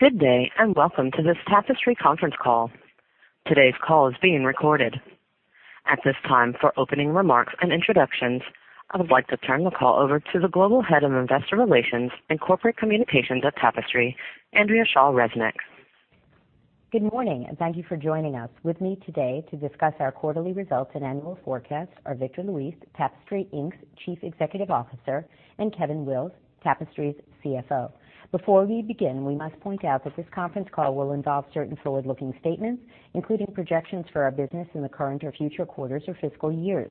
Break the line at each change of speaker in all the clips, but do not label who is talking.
Good day, welcome to this Tapestry conference call. Today's call is being recorded. At this time, for opening remarks and introductions, I would like to turn the call over to the Global Head of Investor Relations and Corporate Communications at Tapestry, Andrea Shaw Resnick.
Good morning, thank you for joining us. With me today to discuss our quarterly results and annual forecast are Victor Luis, Tapestry, Inc.'s Chief Executive Officer, and Kevin Wills, Tapestry's CFO. Before we begin, we must point out that this conference call will involve certain forward-looking statements, including projections for our business in the current or future quarters or fiscal years.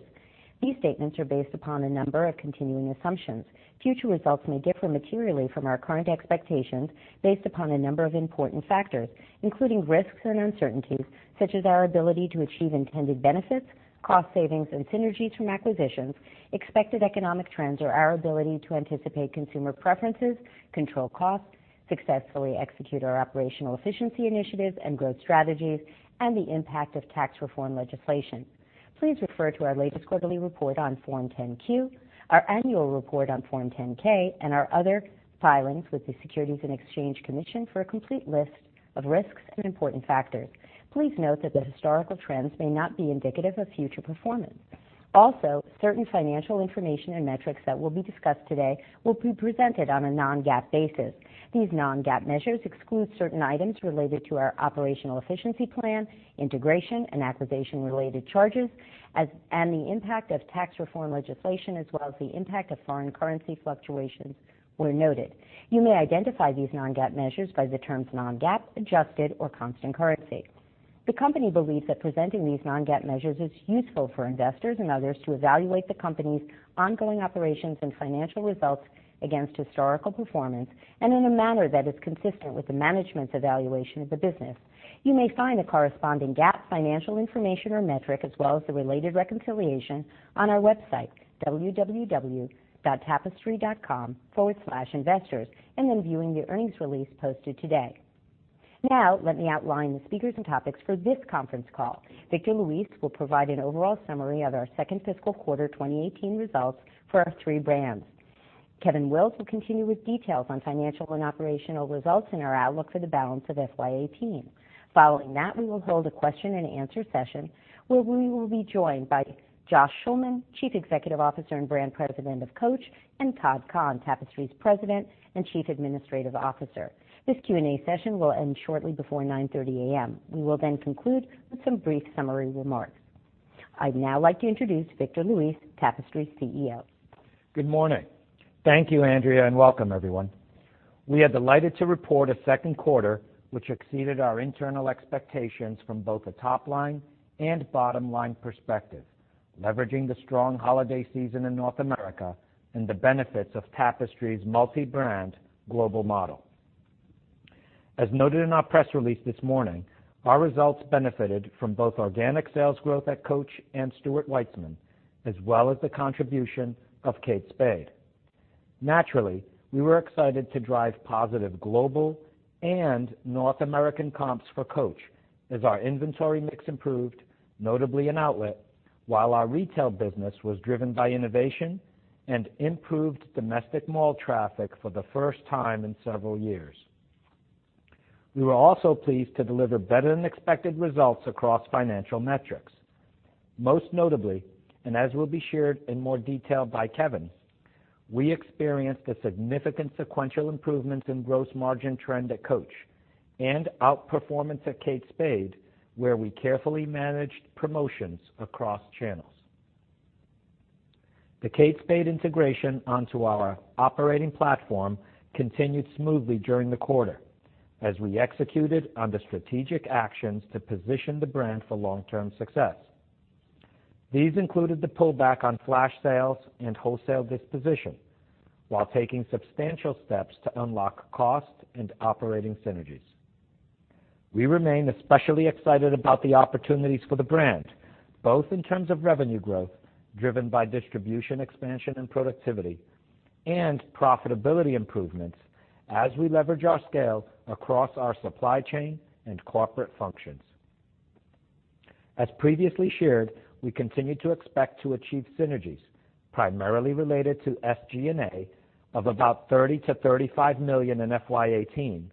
These statements are based upon a number of continuing assumptions. Future results may differ materially from our current expectations based upon a number of important factors, including risks and uncertainties, such as our ability to achieve intended benefits, cost savings, and synergies from acquisitions, expected economic trends, or our ability to anticipate consumer preferences, control costs, successfully execute our operational efficiency initiatives and growth strategies, and the impact of tax reform legislation. Please refer to our latest quarterly report on Form 10-Q, our annual report on Form 10-K, and our other filings with the Securities and Exchange Commission for a complete list of risks and important factors. Please note that the historical trends may not be indicative of future performance. Certain financial information and metrics that will be discussed today will be presented on a non-GAAP basis. These non-GAAP measures exclude certain items related to our operational efficiency plan, integration, and acquisition-related charges, and the impact of tax reform legislation as well as the impact of foreign currency fluctuations, where noted. You may identify these non-GAAP measures by the terms non-GAAP, adjusted, or constant currency. The company believes that presenting these non-GAAP measures is useful for investors and others to evaluate the company's ongoing operations and financial results against historical performance and in a manner that is consistent with the management's evaluation of the business. You may find the corresponding GAAP financial information or metric as well as the related reconciliation on our website, www.tapestry.com/investors, then viewing the earnings release posted today. Let me outline the speakers and topics for this conference call. Victor Luis will provide an overall summary of our second fiscal quarter 2018 results for our three brands. Kevin Wills will continue with details on financial and operational results and our outlook for the balance of FY 2018. Following that, we will hold a question and answer session where we will be joined by Josh Schulman, Chief Executive Officer and Brand President of Coach, and Todd Kahn, Tapestry's President and Chief Administrative Officer. This Q&A session will end shortly before 9:30 A.M. We will conclude with some brief summary remarks. I'd now like to introduce Victor Luis, Tapestry's CEO.
Good morning. Thank you, Andrea, and welcome everyone. We are delighted to report a second quarter which exceeded our internal expectations from both a top-line and bottom-line perspective, leveraging the strong holiday season in North America and the benefits of Tapestry's multi-brand global model. As noted in our press release this morning, our results benefited from both organic sales growth at Coach and Stuart Weitzman, as well as the contribution of Kate Spade. Naturally, we were excited to drive positive global and North American comps for Coach as our inventory mix improved, notably in outlet, while our retail business was driven by innovation and improved domestic mall traffic for the first time in several years. We were also pleased to deliver better-than-expected results across financial metrics. Most notably, as will be shared in more detail by Kevin, we experienced a significant sequential improvement in gross margin trend at Coach and outperformance at Kate Spade, where we carefully managed promotions across channels. The Kate Spade integration onto our operating platform continued smoothly during the quarter as we executed on the strategic actions to position the brand for long-term success. These included the pullback on flash sales and wholesale disposition while taking substantial steps to unlock cost and operating synergies. We remain especially excited about the opportunities for the brand, both in terms of revenue growth driven by distribution expansion and productivity, and profitability improvements as we leverage our scale across our supply chain and corporate functions. As previously shared, we continue to expect to achieve synergies primarily related to SG&A of about $30 million-$35 million in FY 2018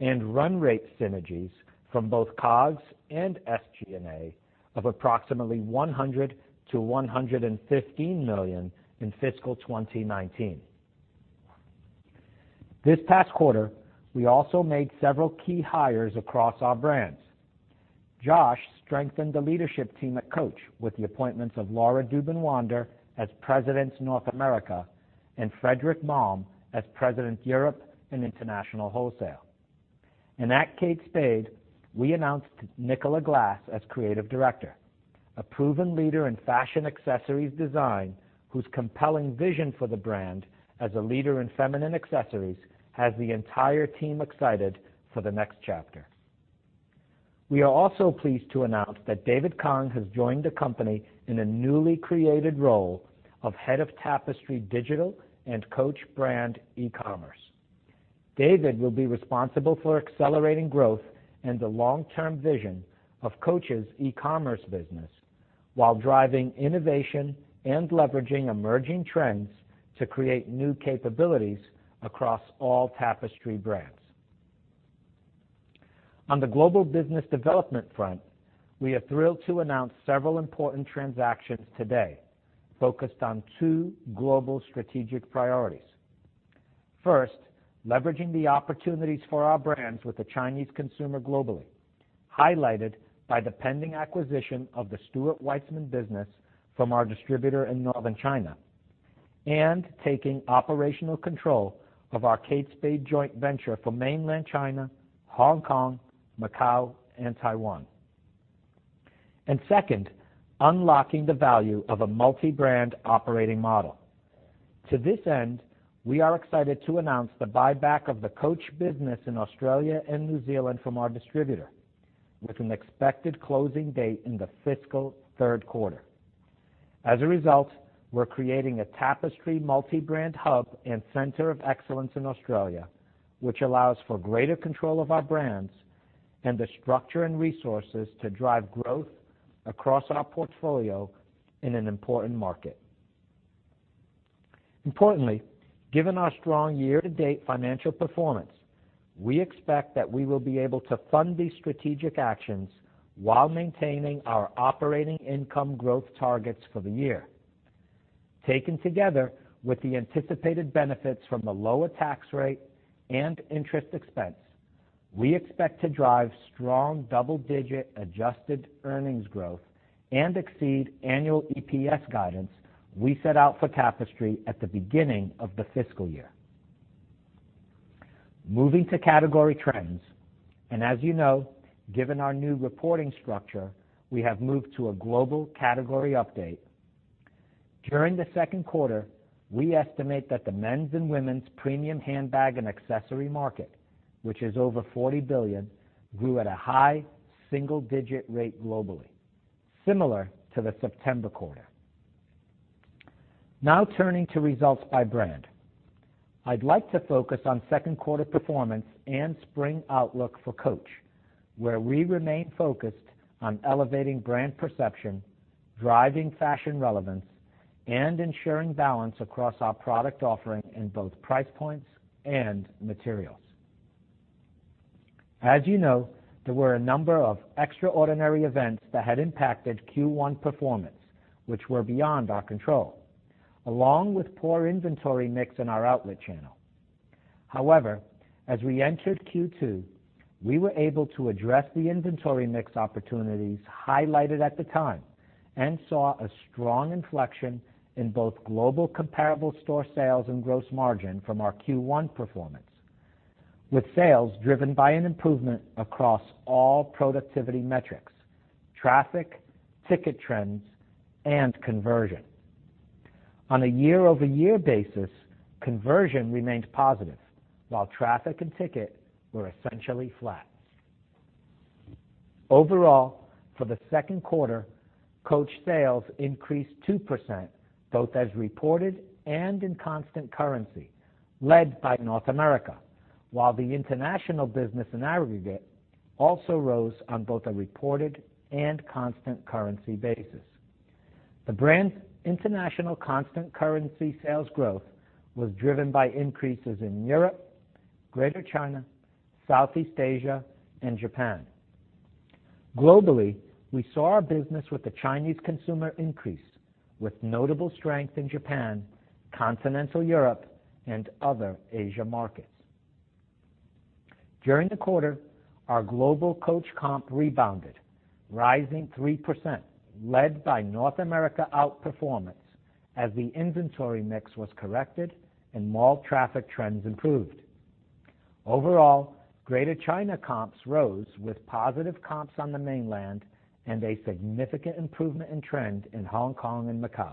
and run rate synergies from both COGS and SG&A of approximately $100 million-$115 million in fiscal 2019. This past quarter, we also made several key hires across our brands. Josh strengthened the leadership team at Coach with the appointments of Laura Dubin-Wander as President North America and Fredrik Malm as President Europe and International Wholesale. At Kate Spade, we announced Nicola Glass as Creative Director, a proven leader in fashion accessories design whose compelling vision for the brand as a leader in feminine accessories has the entire team excited for the next chapter. We are also pleased to announce that David Kong has joined the company in a newly created role of Head of Tapestry Digital and Coach brand e-commerce. David will be responsible for accelerating growth and the long-term vision of Coach's e-commerce business while driving innovation and leveraging emerging trends to create new capabilities across all Tapestry brands. On the global business development front, we are thrilled to announce several important transactions today focused on two global strategic priorities. First, leveraging the opportunities for our brands with the Chinese consumer globally, highlighted by the pending acquisition of the Stuart Weitzman business from our distributor in Northern China, and taking operational control of our Kate Spade joint venture for Mainland China, Hong Kong, Macau, and Taiwan. Second, unlocking the value of a multi-brand operating model. To this end, we are excited to announce the buyback of the Coach business in Australia and New Zealand from our distributor with an expected closing date in the fiscal third quarter. As a result, we're creating a Tapestry multi-brand hub and center of excellence in Australia, which allows for greater control of our brands and the structure and resources to drive growth across our portfolio in an important market. Importantly, given our strong year-to-date financial performance, we expect that we will be able to fund these strategic actions while maintaining our operating income growth targets for the year. Taken together with the anticipated benefits from the lower tax rate and interest expense, we expect to drive strong double-digit adjusted earnings growth and exceed annual EPS guidance we set out for Tapestry at the beginning of the fiscal year. Moving to category trends, as you know, given our new reporting structure, we have moved to a global category update. During the second quarter, we estimate that the men's and women's premium handbag and accessory market, which is over $40 billion, grew at a high single-digit rate globally, similar to the September quarter. Now turning to results by brand. I'd like to focus on second quarter performance and spring outlook for Coach, where we remain focused on elevating brand perception, driving fashion relevance, and ensuring balance across our product offering in both price points and materials. As you know, there were a number of extraordinary events that had impacted Q1 performance, which were beyond our control, along with poor inventory mix in our outlet channel. However, as we entered Q2, we were able to address the inventory mix opportunities highlighted at the time and saw a strong inflection in both global comparable store sales and gross margin from our Q1 performance. With sales driven by an improvement across all productivity metrics, traffic, ticket trends, and conversion. On a year-over-year basis, conversion remained positive, while traffic and ticket were essentially flat. Overall, for the second quarter, Coach sales increased 2%, both as reported and in constant currency, led by North America, while the international business in aggregate also rose on both a reported and constant currency basis. The brand's international constant currency sales growth was driven by increases in Europe, Greater China, Southeast Asia, and Japan. Globally, we saw our business with the Chinese consumer increase with notable strength in Japan, continental Europe, and other Asia markets. During the quarter, our global Coach comp rebounded, rising 3%, led by North America outperformance as the inventory mix was corrected and mall traffic trends improved. Overall, Greater China comps rose with positive comps on the mainland and a significant improvement in trend in Hong Kong and Macau.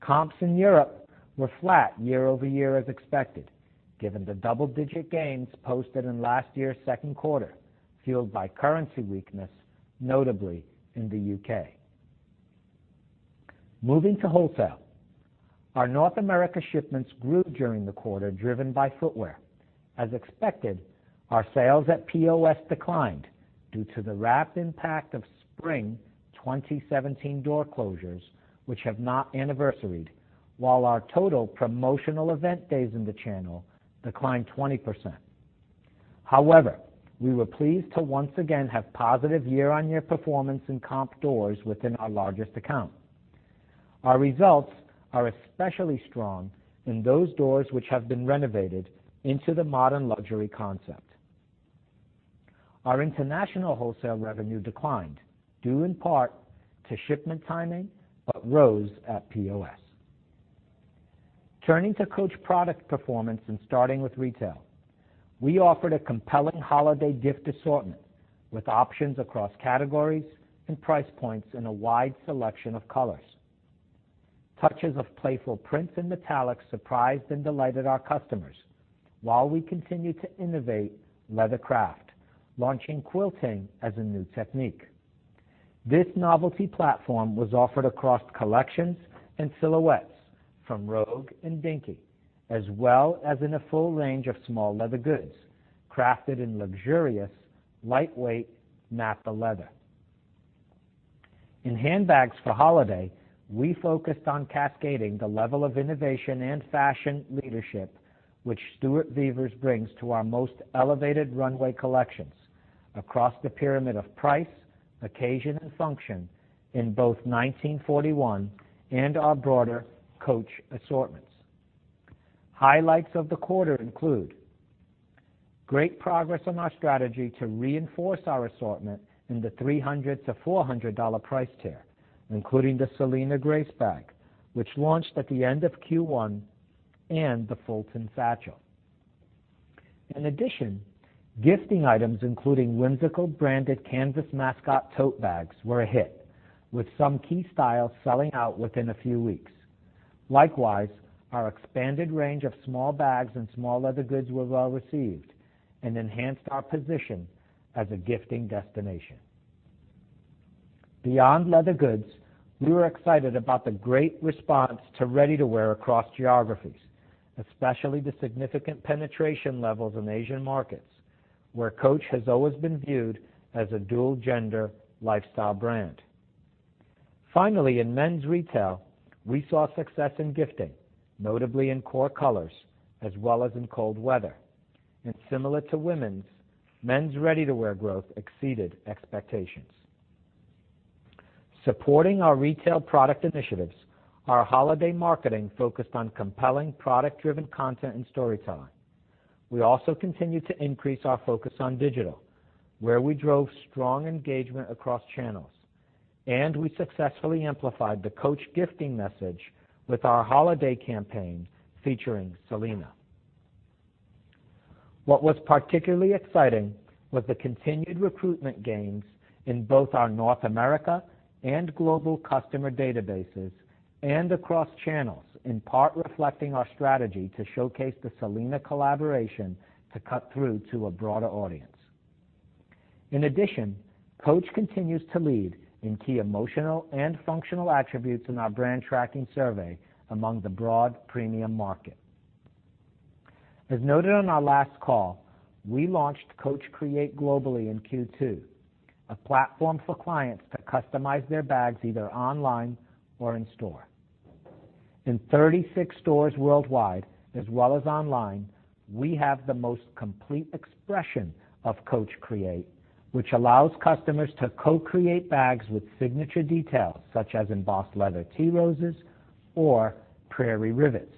Comps in Europe were flat year-over-year as expected, given the double-digit gains posted in last year's second quarter, fueled by currency weakness, notably in the U.K. Moving to wholesale. Our North America shipments grew during the quarter, driven by footwear. As expected, our sales at POS declined due to the raft impact of spring 2017 door closures, which have not anniversaried, while our total promotional event days in the channel declined 20%. However, we were pleased to once again have positive year-on-year performance in comp doors within our largest account. Our results are especially strong in those stores which have been renovated into the modern luxury concept. Our international wholesale revenue declined, due in part to shipment timing, but rose at POS. Turning to Coach product performance and starting with retail. We offered a compelling holiday gift assortment with options across categories and price points in a wide selection of colors. Touches of playful prints and metallics surprised and delighted our customers, while we continued to innovate leather craft, launching quilting as a new technique. This novelty platform was offered across collections and silhouettes from Rogue and Dinky, as well as in a full range of small leather goods. Crafted in luxurious, lightweight nappa leather. In handbags for holiday, we focused on cascading the level of innovation and fashion leadership, which Stuart Vevers brings to our most elevated runway collections across the pyramid of price, occasion, and function in both 1941 and our broader Coach assortments. Highlights of the quarter include great progress on our strategy to reinforce our assortment in the $300-$400 price tier, including the Selena Grace bag, which launched at the end of Q1, and the Fulton Satchel. In addition, gifting items including whimsical branded canvas mascot tote bags were a hit, with some key styles selling out within a few weeks. Likewise, our expanded range of small bags and small leather goods were well-received and enhanced our position as a gifting destination. Beyond leather goods, we were excited about the great response to ready-to-wear across geographies, especially the significant penetration levels in Asian markets, where Coach has always been viewed as a dual-gender lifestyle brand. Finally, in men's retail, we saw success in gifting, notably in core colors as well as in cold weather. Similar to women's, men's ready-to-wear growth exceeded expectations. Supporting our retail product initiatives, our holiday marketing focused on compelling product-driven content and storytelling. We also continue to increase our focus on digital, where we drove strong engagement across channels, and we successfully amplified the Coach gifting message with our holiday campaign featuring Selena. What was particularly exciting was the continued recruitment gains in both our North America and global customer databases and across channels, in part reflecting our strategy to showcase the Selena collaboration to cut through to a broader audience. In addition, Coach continues to lead in key emotional and functional attributes in our brand tracking survey among the broad premium market. As noted on our last call, we launched Coach Create globally in Q2, a platform for clients to customize their bags either online or in store. In 36 stores worldwide, as well as online, we have the most complete expression of Coach Create, which allows customers to co-create bags with signature details such as embossed leather Tea Roses or prairie rivets.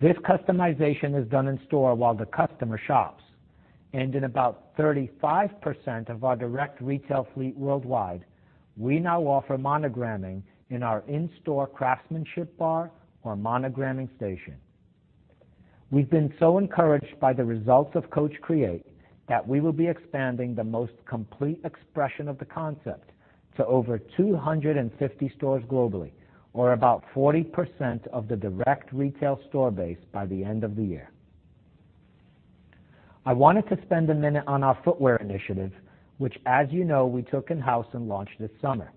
This customization is done in store while the customer shops. In about 35% of our direct retail fleet worldwide, we now offer monogramming in our in-store craftsmanship bar or monogramming station. We've been so encouraged by the results of Coach Create that we will be expanding the most complete expression of the concept to over 250 stores globally, or about 40% of the direct retail store base by the end of the year. I wanted to spend a minute on our footwear initiative, which as you know, we took in-house and launched this summer.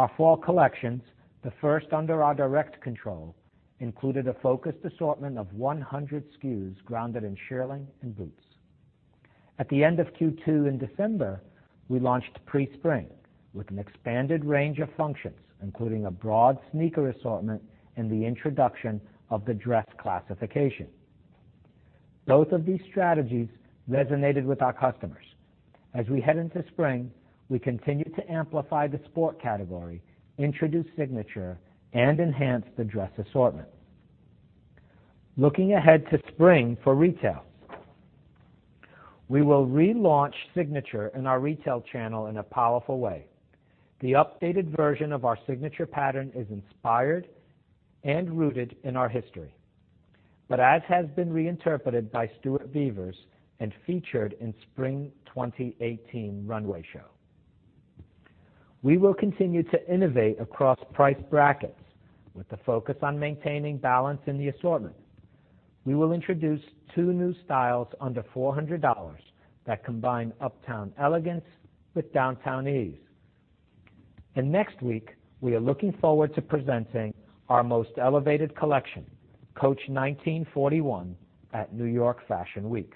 Our fall collections, the first under our direct control, included a focused assortment of 100 SKUs grounded in shearling and boots. At the end of Q2 in December, we launched pre-spring with an expanded range of functions, including a broad sneaker assortment and the introduction of the dress classification. Both of these strategies resonated with our customers. As we head into spring, we continue to amplify the sport category, introduce Signature, and enhance the dress assortment. Looking ahead to spring for retail, we will relaunch Signature in our retail channel in a powerful way. The updated version of our Signature pattern is inspired and rooted in our history, but as has been reinterpreted by Stuart Vevers and featured in Spring 2018 runway show. We will continue to innovate across price brackets with a focus on maintaining balance in the assortment. We will introduce two new styles under $400 that combine uptown elegance with downtown ease. Next week, we are looking forward to presenting our most elevated collection, Coach 1941, at New York Fashion Week.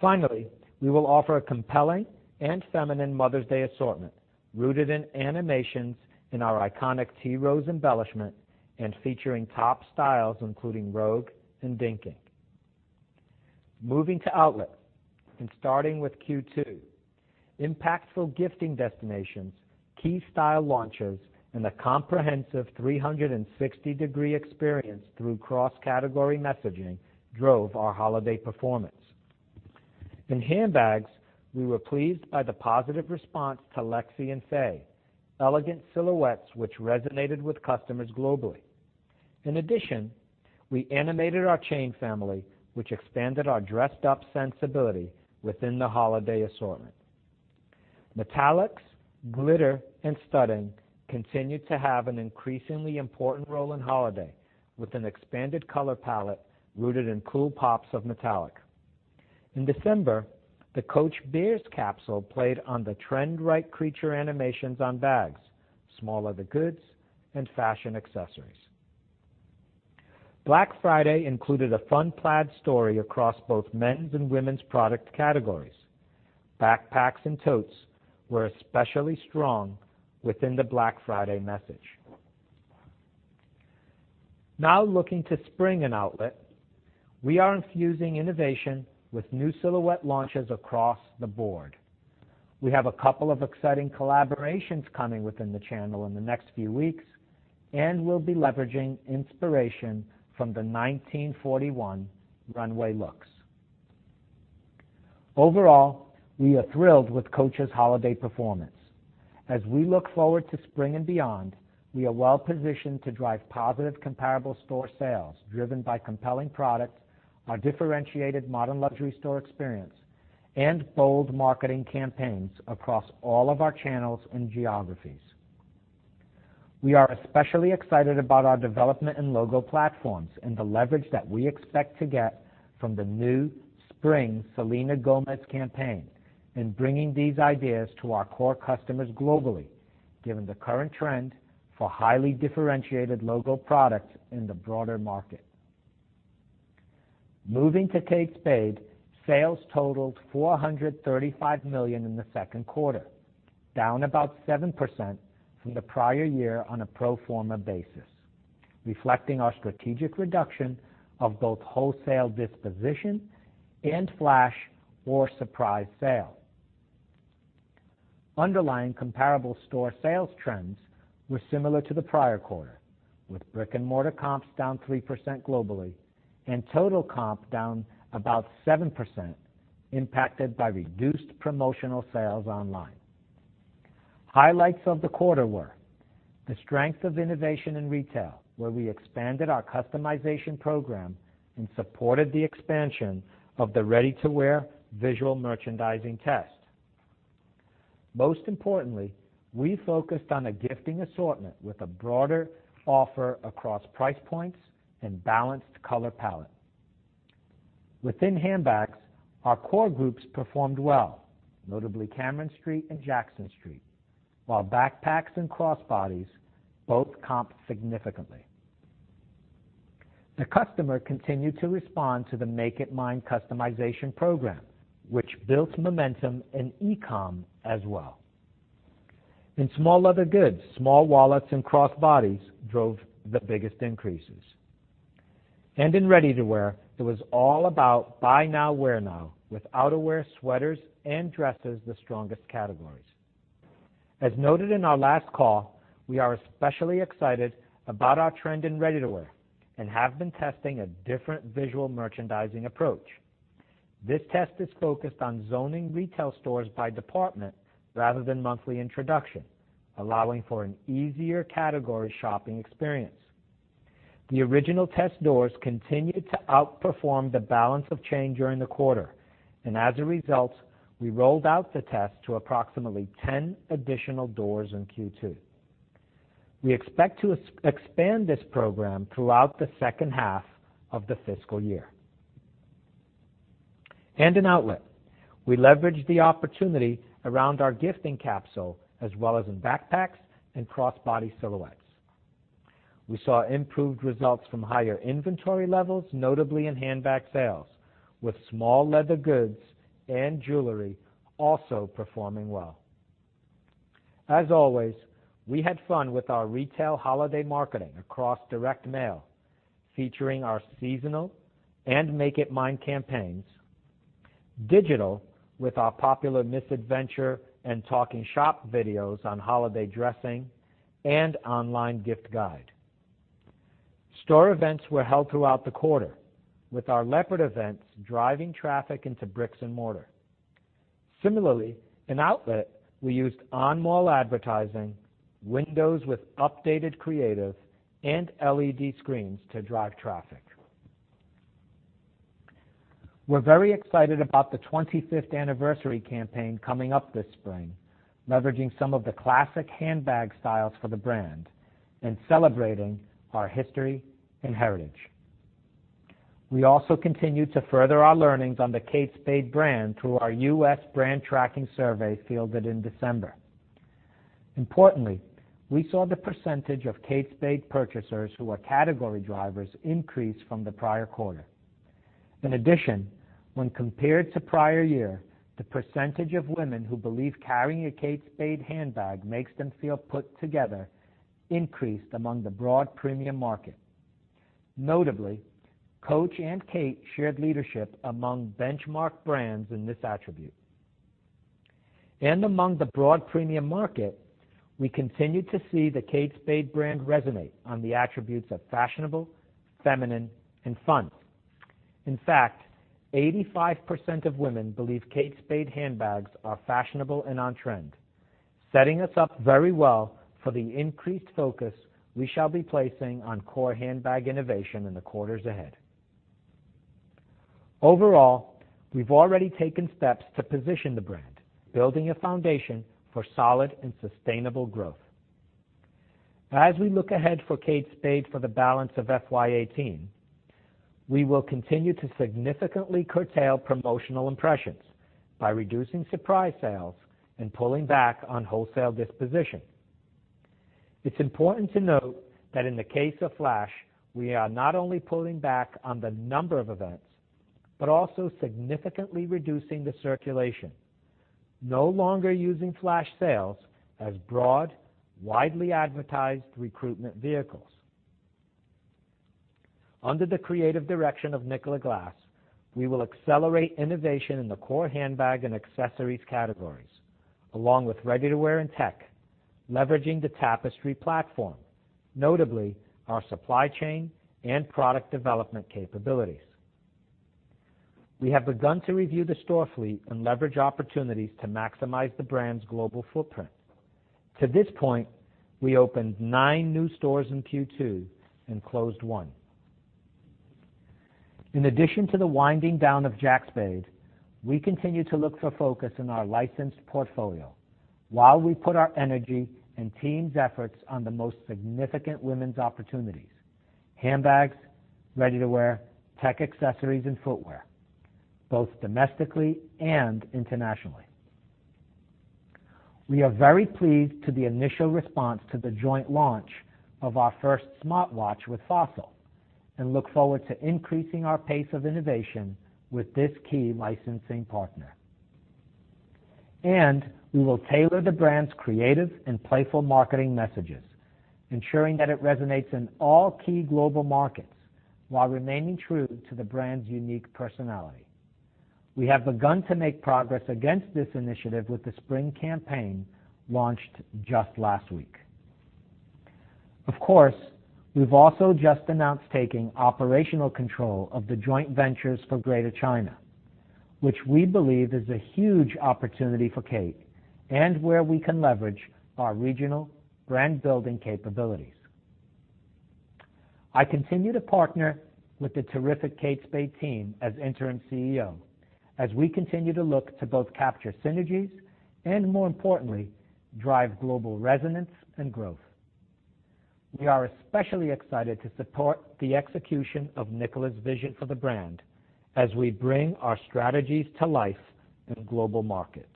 Finally, we will offer a compelling and feminine Mother's Day assortment rooted in animations in our iconic Tea Rose embellishment and featuring top styles including Rogue and Dinky. Moving to outlet and starting with Q2, impactful gifting destinations, key style launches, and a comprehensive 360-degree experience through cross-category messaging drove our holiday performance. In handbags, we were pleased by the positive response to Lexi and Faye, elegant silhouettes, which resonated with customers globally. In addition, we animated our chain family, which expanded our dressed-up sensibility within the holiday assortment. Metallics, glitter, and studding continued to have an increasingly important role in holiday with an expanded color palette rooted in cool pops of metallic. In December, the Coach Bears capsule played on the trend-right creature animations on bags, smaller the goods, and fashion accessories. Black Friday included a fun plaid story across both men's and women's product categories. Backpacks and totes were especially strong within the Black Friday message. Looking to spring and outlet, we are infusing innovation with new silhouette launches across the board. We have a couple of exciting collaborations coming within the channel in the next few weeks, and we'll be leveraging inspiration from the 1941 runway looks. Overall, we are thrilled with Coach's holiday performance. As we look forward to spring and beyond, we are well-positioned to drive positive comparable store sales, driven by compelling products, our differentiated modern luxury store experience, and bold marketing campaigns across all of our channels and geographies. We are especially excited about our development and logo platforms and the leverage that we expect to get from the new spring Selena Gomez campaign in bringing these ideas to our core customers globally, given the current trend for highly differentiated logo products in the broader market. Moving to Kate Spade, sales totaled $435 million in the second quarter, down about 7% from the prior year on a pro forma basis, reflecting our strategic reduction of both wholesale disposition and flash or surprise sale. Underlying comparable store sales trends were similar to the prior quarter, with brick-and-mortar comps down 3% globally and total comp down about 7%, impacted by reduced promotional sales online. Highlights of the quarter were the strength of innovation in retail, where we expanded our customization program and supported the expansion of the ready-to-wear visual merchandising test. Most importantly, we focused on a gifting assortment with a broader offer across price points and balanced color palette. Within handbags, our core groups performed well, notably Cameron Street and Jackson Street, while backpacks and crossbodies both comped significantly. The customer continued to respond to the Make It Mine customization program, which built momentum in e-com as well. In small leather goods, small wallets and crossbodies drove the biggest increases. In ready-to-wear, it was all about buy now, wear now, with outerwear, sweaters, and dresses the strongest categories. As noted in our last call, we are especially excited about our trend in ready-to-wear and have been testing a different visual merchandising approach. This test is focused on zoning retail stores by department rather than monthly introduction, allowing for an easier category shopping experience. The original test doors continued to outperform the balance of change during the quarter, and as a result, we rolled out the test to approximately 10 additional doors in Q2. We expect to expand this program throughout the second half of the fiscal year. In outlet, we leveraged the opportunity around our gifting capsule, as well as in backpacks and crossbody silhouettes. We saw improved results from higher inventory levels, notably in handbag sales, with small leather goods and jewelry also performing well. As always, we had fun with our retail holiday marketing across direct mail, featuring our seasonal and Make It Mine campaigns, digital with our popular Miss Adventure and Talking Shop videos on holiday dressing, and online gift guide. Store events were held throughout the quarter, with our leopard events driving traffic into bricks and mortar. Similarly, in outlet, we used on-mall advertising, windows with updated creative, and LED screens to drive traffic. We're very excited about the 25th anniversary campaign coming up this spring, leveraging some of the classic handbag styles for the brand and celebrating our history and heritage. We also continued to further our learnings on the Kate Spade brand through our U.S. brand tracking survey fielded in December. Importantly, we saw the percentage of Kate Spade purchasers who are category drivers increase from the prior quarter. In addition, when compared to prior year, the percentage of women who believe carrying a Kate Spade handbag makes them feel put together increased among the broad premium market. Notably, Coach and Kate shared leadership among benchmark brands in this attribute. Among the broad premium market, we continued to see the Kate Spade brand resonate on the attributes of fashionable, feminine, and fun. In fact, 85% of women believe Kate Spade handbags are fashionable and on-trend, setting us up very well for the increased focus we shall be placing on core handbag innovation in the quarters ahead. Overall, we've already taken steps to position the brand, building a foundation for solid and sustainable growth. As we look ahead for Kate Spade for the balance of FY 2018, we will continue to significantly curtail promotional impressions by reducing surprise sales and pulling back on wholesale disposition. It's important to note that in the case of Flash, we are not only pulling back on the number of events, but also significantly reducing the circulation, no longer using flash sales as broad, widely advertised recruitment vehicles. Under the creative direction of Nicola Glass, we will accelerate innovation in the core handbag and accessories categories, along with ready-to-wear and tech, leveraging the Tapestry platform, notably our supply chain and product development capabilities. We have begun to review the store fleet and leverage opportunities to maximize the brand's global footprint. To this point, we opened nine new stores in Q2 and closed one. In addition to the winding down of Jack Spade, we continue to look for focus in our licensed portfolio while we put our energy and team's efforts on the most significant women's opportunities, handbags, ready-to-wear, tech accessories, and footwear, both domestically and internationally. We are very pleased to the initial response to the joint launch of our first smartwatch with Fossil and look forward to increasing our pace of innovation with this key licensing partner. We will tailor the brand's creative and playful marketing messages, ensuring that it resonates in all key global markets while remaining true to the brand's unique personality. We have begun to make progress against this initiative with the spring campaign launched just last week. Of course, we've also just announced taking operational control of the joint ventures for Greater China, which we believe is a huge opportunity for Kate and where we can leverage our regional brand-building capabilities. I continue to partner with the terrific Kate Spade team as interim CEO as we continue to look to both capture synergies and, more importantly, drive global resonance and growth. We are especially excited to support the execution of Nicola's vision for the brand as we bring our strategies to life in global markets.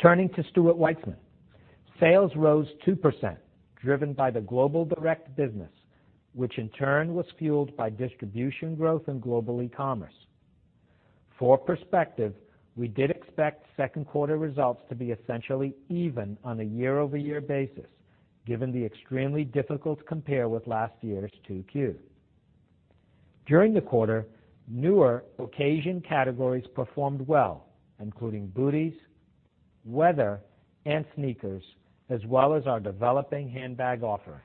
Turning to Stuart Weitzman. Sales rose 2%, driven by the global direct business, which in turn was fueled by distribution growth and global e-commerce. For perspective, we did expect second quarter results to be essentially even on a year-over-year basis, given the extremely difficult compare with last year's 2Q. During the quarter, newer occasion categories performed well, including booties, weather, and sneakers, as well as our developing handbag offering.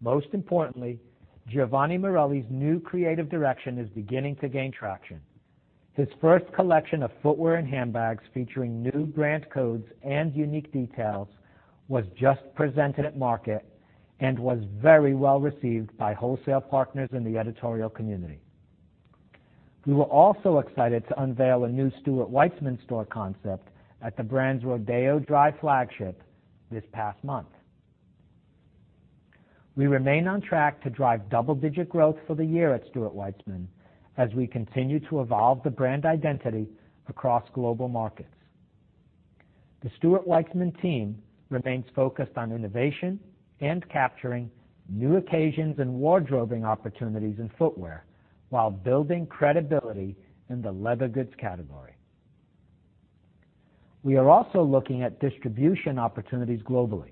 Most importantly, Giovanni Morelli's new creative direction is beginning to gain traction. His first collection of footwear and handbags featuring new brand codes and unique details was just presented at market and was very well received by wholesale partners in the editorial community. We were also excited to unveil a new Stuart Weitzman store concept at the brand's Rodeo Drive flagship this past month. We remain on track to drive double-digit growth for the year at Stuart Weitzman as we continue to evolve the brand identity across global markets. The Stuart Weitzman team remains focused on innovation and capturing new occasions and wardrobing opportunities in footwear while building credibility in the leather goods category. We are also looking at distribution opportunities globally,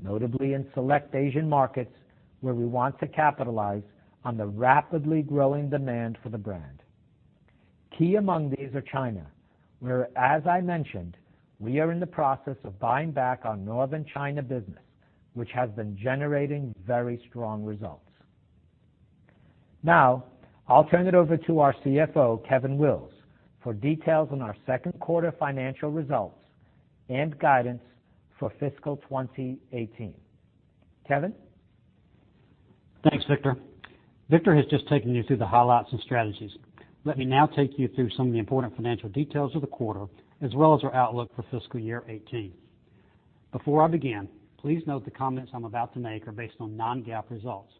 notably in select Asian markets where we want to capitalize on the rapidly growing demand for the brand. Key among these are China, where, as I mentioned, we are in the process of buying back our Northern China business, which has been generating very strong results. Now I'll turn it over to our CFO, Kevin Wills, for details on our second quarter financial results and guidance for fiscal 2018. Kevin?
Thanks, Victor. Victor has just taken you through the highlights and strategies. Let me now take you through some of the important financial details of the quarter, as well as our outlook for fiscal year 2018. Before I begin, please note the comments I'm about to make are based on non-GAAP results.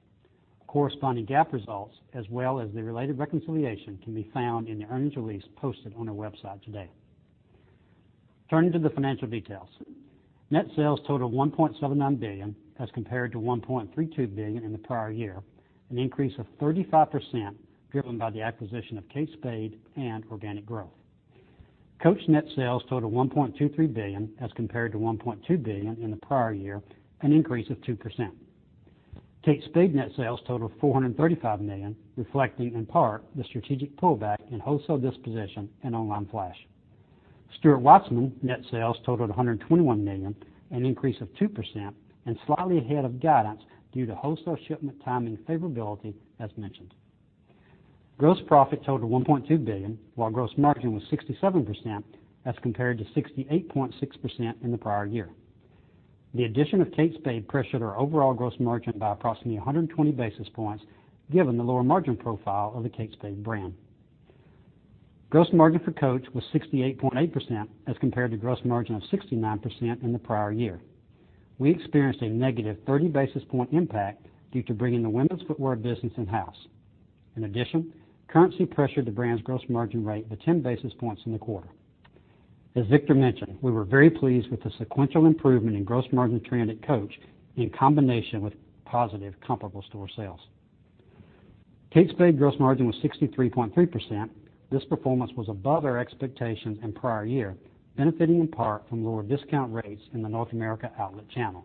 Corresponding GAAP results, as well as the related reconciliation, can be found in the earnings release posted on our website today. Turning to the financial details. Net sales totaled $1.79 billion as compared to $1.32 billion in the prior year, an increase of 35% driven by the acquisition of Kate Spade and organic growth. Coach net sales totaled $1.23 billion as compared to $1.2 billion in the prior year, an increase of 2%. Kate Spade net sales totaled $435 million, reflecting in part the strategic pullback in wholesale disposition and online flash. Stuart Weitzman net sales totaled $121 million, an increase of 2% and slightly ahead of guidance due to wholesale shipment timing favorability, as mentioned. Gross profit totaled $1.2 billion while gross margin was 67% as compared to 68.6% in the prior year. The addition of Kate Spade pressured our overall gross margin by approximately 120 basis points, given the lower margin profile of the Kate Spade brand. Gross margin for Coach was 68.8%, as compared to gross margin of 69% in the prior year. We experienced a negative 30-basis-point impact due to bringing the women's footwear business in-house. In addition, currency pressured the brand's gross margin rate of 10 basis points in the quarter. As Victor mentioned, we were very pleased with the sequential improvement in gross margin trend at Coach, in combination with positive comparable store sales. Kate Spade gross margin was 63.3%. This performance was above our expectations in prior year, benefiting in part from lower discount rates in the North America outlet channel.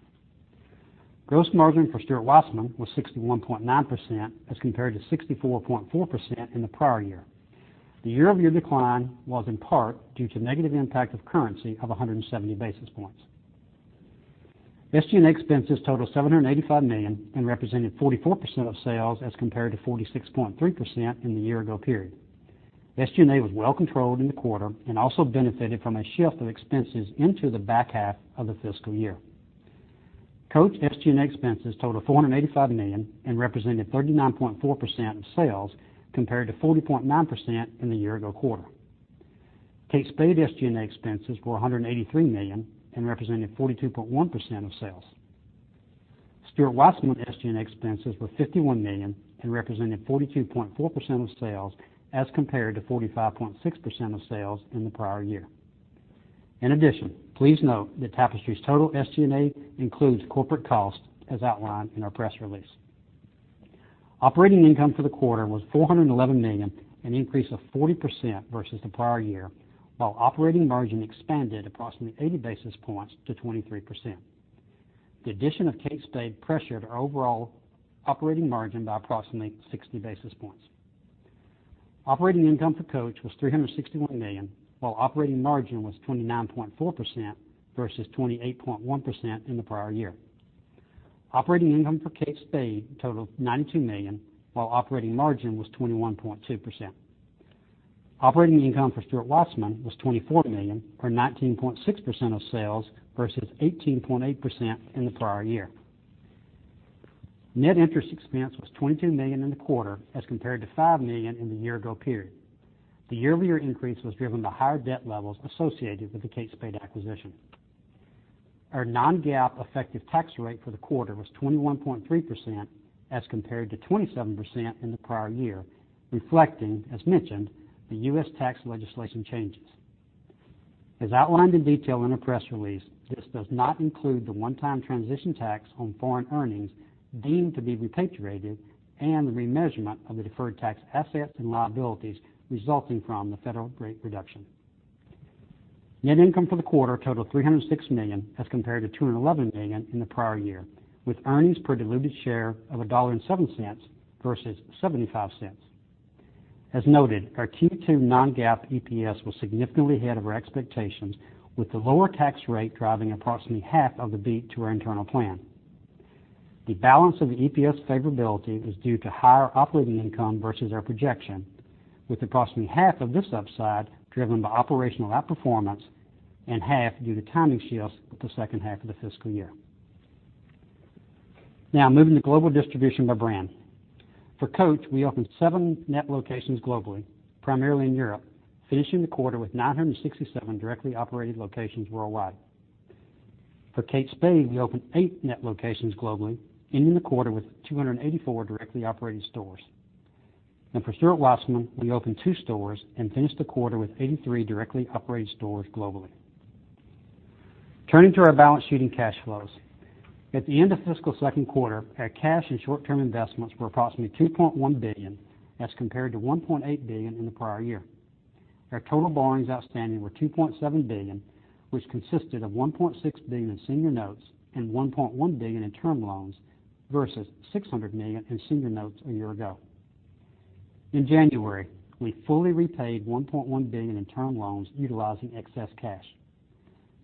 Gross margin for Stuart Weitzman was 61.9%, as compared to 64.4% in the prior year. The year-over-year decline was in part due to negative impact of currency of 170 basis points. SG&A expenses totaled $785 million and represented 44% of sales, as compared to 46.3% in the year-ago period. SG&A was well controlled in the quarter and also benefited from a shift of expenses into the back half of the fiscal year. Coach SG&A expenses totaled $485 million and represented 39.4% of sales, compared to 40.9% in the year-ago quarter. Kate Spade SG&A expenses were $183 million and represented 42.1% of sales. Stuart Weitzman SG&A expenses were $51 million and represented 42.4% of sales as compared to 45.6% of sales in the prior year. In addition, please note that Tapestry's total SG&A includes corporate costs, as outlined in our press release. Operating income for the quarter was $411 million, an increase of 40% versus the prior year, while operating margin expanded approximately 80 basis points to 23%. The addition of Kate Spade pressured our overall operating margin by approximately 60 basis points. Operating income for Coach was $361 million while operating margin was 29.4% versus 28.1% in the prior year. Operating income for Kate Spade totaled $92 million while operating margin was 21.2%. Operating income for Stuart Weitzman was $24 million or 19.6% of sales versus 18.8% in the prior year. Net interest expense was $22 million in the quarter as compared to $5 million in the year-ago period. The year-over-year increase was driven by higher debt levels associated with the Kate Spade acquisition. Our non-GAAP effective tax rate for the quarter was 21.3% as compared to 27% in the prior year, reflecting, as mentioned, the U.S. tax legislation changes. As outlined in detail in our press release, this does not include the one-time transition tax on foreign earnings deemed to be repatriated and the remeasurement of the deferred tax assets and liabilities resulting from the federal rate reduction. Net income for the quarter totaled $306 million as compared to $211 million in the prior year, with earnings per diluted share of $1.07 versus $0.75. As noted, our Q2 non-GAAP EPS was significantly ahead of our expectations with the lower tax rate driving approximately half of the beat to our internal plan. The balance of the EPS favorability was due to higher operating income versus our projection, with approximately half of this upside driven by operational outperformance and half due to timing shifts with the second half of the fiscal year. Now moving to global distribution by brand. For Coach, we opened seven net locations globally, primarily in Europe, finishing the quarter with 967 directly operated locations worldwide. For Kate Spade, we opened eight net locations globally, ending the quarter with 284 directly operated stores. For Stuart Weitzman, we opened two stores and finished the quarter with 83 directly operated stores globally. Turning to our balance sheet and cash flows. At the end of fiscal second quarter, our cash and short-term investments were approximately $2.1 billion as compared to $1.8 billion in the prior year. Our total borrowings outstanding were $2.7 billion, which consisted of $1.6 billion in senior notes and $1.1 billion in term loans versus $600 million in senior notes a year ago. In January, we fully repaid $1.1 billion in term loans utilizing excess cash.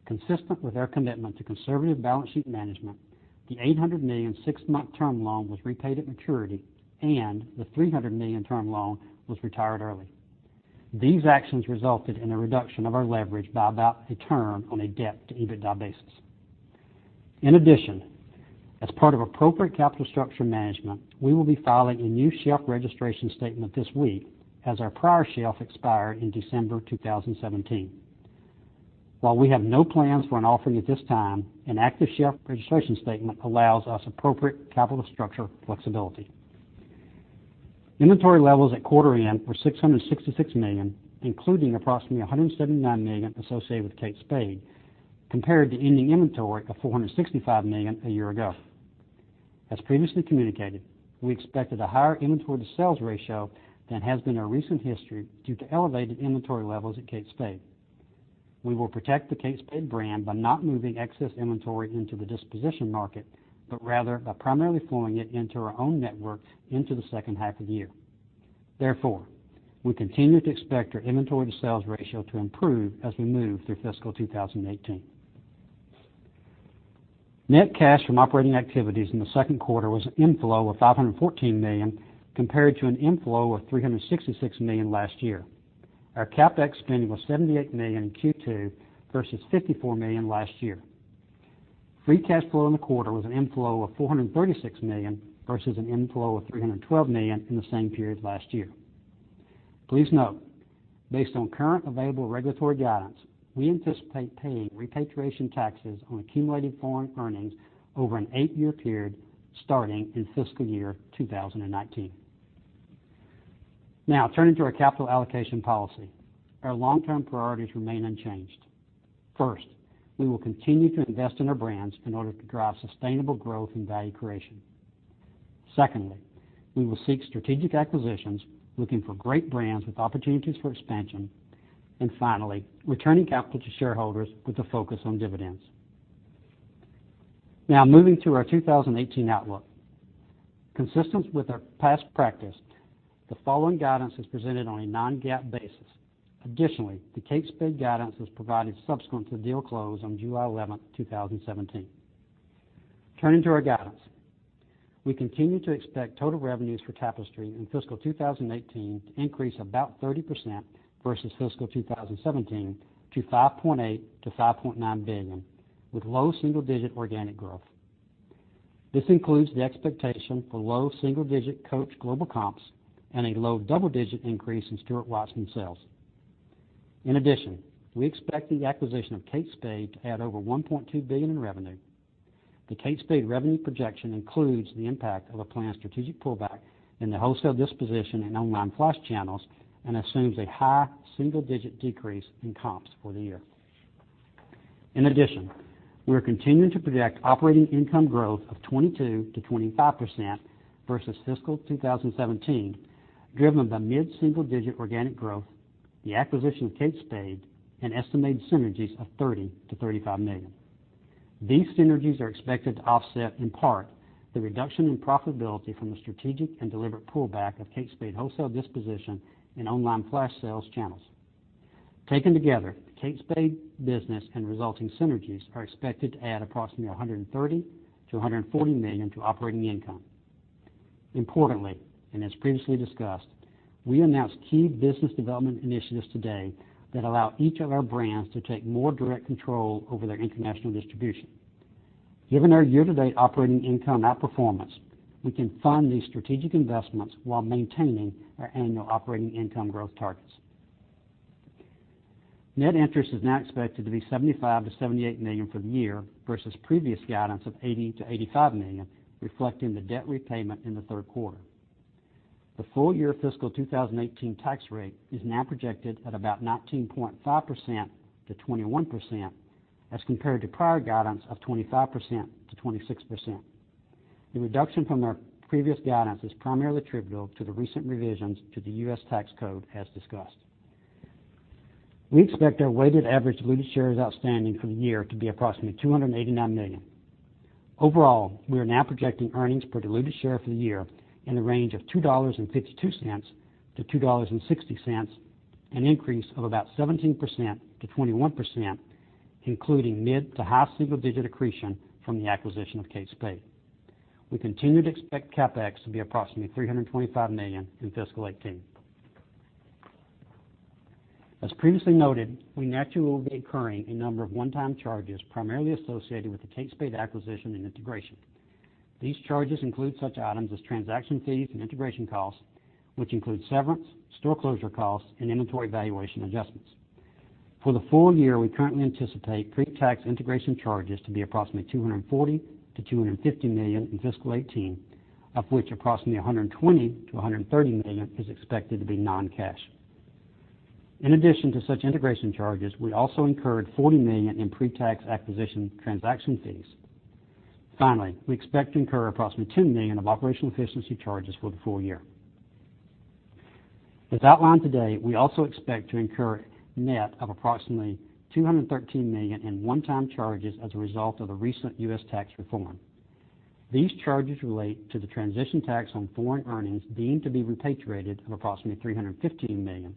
Consistent with our commitment to conservative balance sheet management, the $800 million six-month term loan was repaid at maturity and the $300 million term loan was retired early. These actions resulted in a reduction of our leverage by about a turn on a debt-to-EBITDA basis. In addition, as part of appropriate capital structure management, we will be filing a new shelf registration statement this week as our prior shelf expired in December 2017. While we have no plans for an offering at this time, an active shelf registration statement allows us appropriate capital structure flexibility. Inventory levels at quarter end were $666 million, including approximately $179 million associated with Kate Spade, compared to ending inventory of $465 million a year ago. As previously communicated, we expected a higher inventory to sales ratio than has been our recent history due to elevated inventory levels at Kate Spade. We will protect the Kate Spade brand by not moving excess inventory into the disposition market, but rather by primarily flowing it into our own network into the second half of the year. Therefore, we continue to expect our inventory to sales ratio to improve as we move through fiscal 2018. Net cash from operating activities in the second quarter was an inflow of $514 million compared to an inflow of $366 million last year. Our CapEx spending was $78 million in Q2 versus $54 million last year. Free cash flow in the quarter was an inflow of $436 million versus an inflow of $312 million in the same period last year. Please note, based on current available regulatory guidance, we anticipate paying repatriation taxes on accumulated foreign earnings over an eight-year period starting in fiscal year 2019. Turning to our capital allocation policy. Our long-term priorities remain unchanged. First, we will continue to invest in our brands in order to drive sustainable growth and value creation. Secondly, we will seek strategic acquisitions, looking for great brands with opportunities for expansion. Finally, returning capital to shareholders with a focus on dividends. Moving to our 2018 outlook. Consistent with our past practice, the following guidance is presented on a non-GAAP basis. Additionally, the Kate Spade guidance was provided subsequent to deal close on July 11, 2017. Turning to our guidance. We continue to expect total revenues for Tapestry in fiscal 2018 to increase about 30% versus fiscal 2017 to $5.8 billion-$5.9 billion, with low single-digit organic growth. This includes the expectation for low single-digit Coach global comps and a low double-digit increase in Stuart Weitzman sales. In addition, we expect the acquisition of Kate Spade to add over $1.2 billion in revenue. The Kate Spade revenue projection includes the impact of a planned strategic pullback in the wholesale disposition and online flash channels and assumes a high single-digit decrease in comps for the year. In addition, we are continuing to project operating income growth of 22%-25% versus fiscal 2017, driven by mid-single-digit organic growth, the acquisition of Kate Spade, and estimated synergies of $30 million-$35 million. These synergies are expected to offset, in part, the reduction in profitability from the strategic and deliberate pullback of Kate Spade wholesale disposition in online flash sales channels. Taken together, the Kate Spade business and resulting synergies are expected to add approximately $130 million-$140 million to operating income. Importantly, as previously discussed, we announced key business development initiatives today that allow each of our brands to take more direct control over their international distribution. Given our year-to-date operating income outperformance, we can fund these strategic investments while maintaining our annual operating income growth targets. Net interest is now expected to be $75 million-$78 million for the year versus previous guidance of $80 million-$85 million, reflecting the debt repayment in the third quarter. The full-year fiscal 2018 tax rate is now projected at about 19.5%-21% as compared to prior guidance of 25%-26%. The reduction from our previous guidance is primarily attributable to the recent revisions to the U.S. tax code, as discussed. We expect our weighted average diluted shares outstanding for the year to be approximately $289 million. Overall, we are now projecting earnings per diluted share for the year in the range of $2.52-$2.60, an increase of about 17%-21%, including mid to high single-digit accretion from the acquisition of Kate Spade. We continue to expect CapEx to be approximately $325 million in fiscal 2018. As previously noted, we naturally will be incurring a number of one-time charges primarily associated with the Kate Spade acquisition and integration. These charges include such items as transaction fees and integration costs, which include severance, store closure costs, and inventory valuation adjustments. For the full year, we currently anticipate pre-tax integration charges to be approximately $240 million-$250 million in fiscal 2018, of which approximately $120 million-$130 million is expected to be non-cash. In addition to such integration charges, we also incurred $40 million in pre-tax acquisition transaction fees. Finally, we expect to incur approximately $2 million of operational efficiency charges for the full year. As outlined today, we also expect to incur net of approximately $213 million in one-time charges as a result of the recent U.S. tax reform. These charges relate to the transition tax on foreign earnings deemed to be repatriated of approximately $315 million,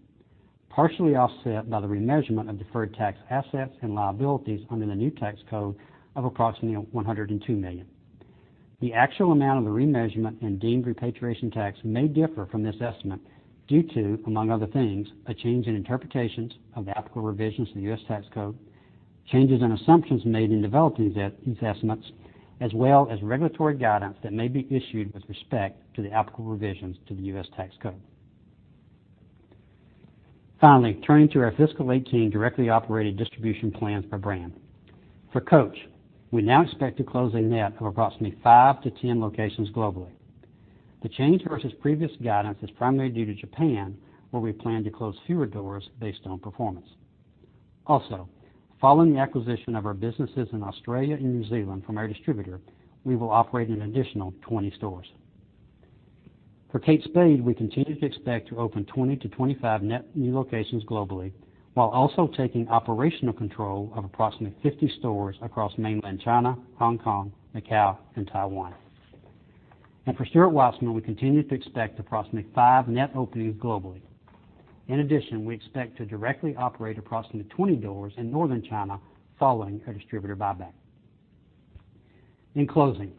partially offset by the remeasurement of deferred tax assets and liabilities under the new tax code of approximately $102 million. The actual amount of the remeasurement and deemed repatriation tax may differ from this estimate due to, among other things, a change in interpretations of the applicable revisions to the U.S. tax code, changes in assumptions made in developing these estimates, as well as regulatory guidance that may be issued with respect to the applicable revisions to the U.S. tax code. Finally, turning to our fiscal 2018 directly operated distribution plans per brand. For Coach, we now expect to close a net of approximately 5-10 locations globally. The change versus previous guidance is primarily due to Japan, where we plan to close fewer doors based on performance. Also, following the acquisition of our businesses in Australia and New Zealand from our distributor, we will operate an additional 20 stores. For Kate Spade, we continue to expect to open 20-25 net new locations globally, while also taking operational control of approximately 50 stores across Mainland China, Hong Kong, Macau, and Taiwan. For Stuart Weitzman, we continue to expect approximately five net openings globally. In addition, we expect to directly operate approximately 20 doors in Northern China following a distributor buyback. In closing,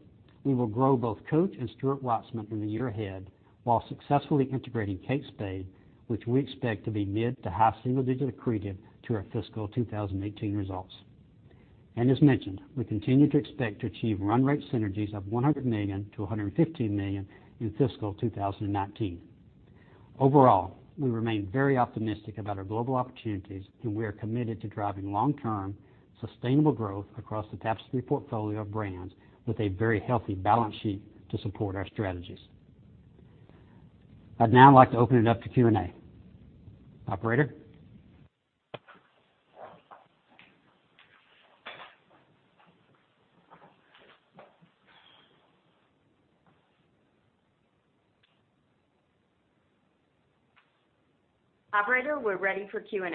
we will grow both Coach and Stuart Weitzman in the year ahead while successfully integrating Kate Spade, which we expect to be mid to high single digit accretive to our fiscal 2018 results. As mentioned, we continue to expect to achieve run rate synergies of $100 million-$115 million in fiscal 2019. Overall, we remain very optimistic about our global opportunities, and we are committed to driving long-term sustainable growth across the Tapestry portfolio of brands with a very healthy balance sheet to support our strategies. I'd now like to open it up to Q&A. Operator?
Operator, we're ready for Q&A.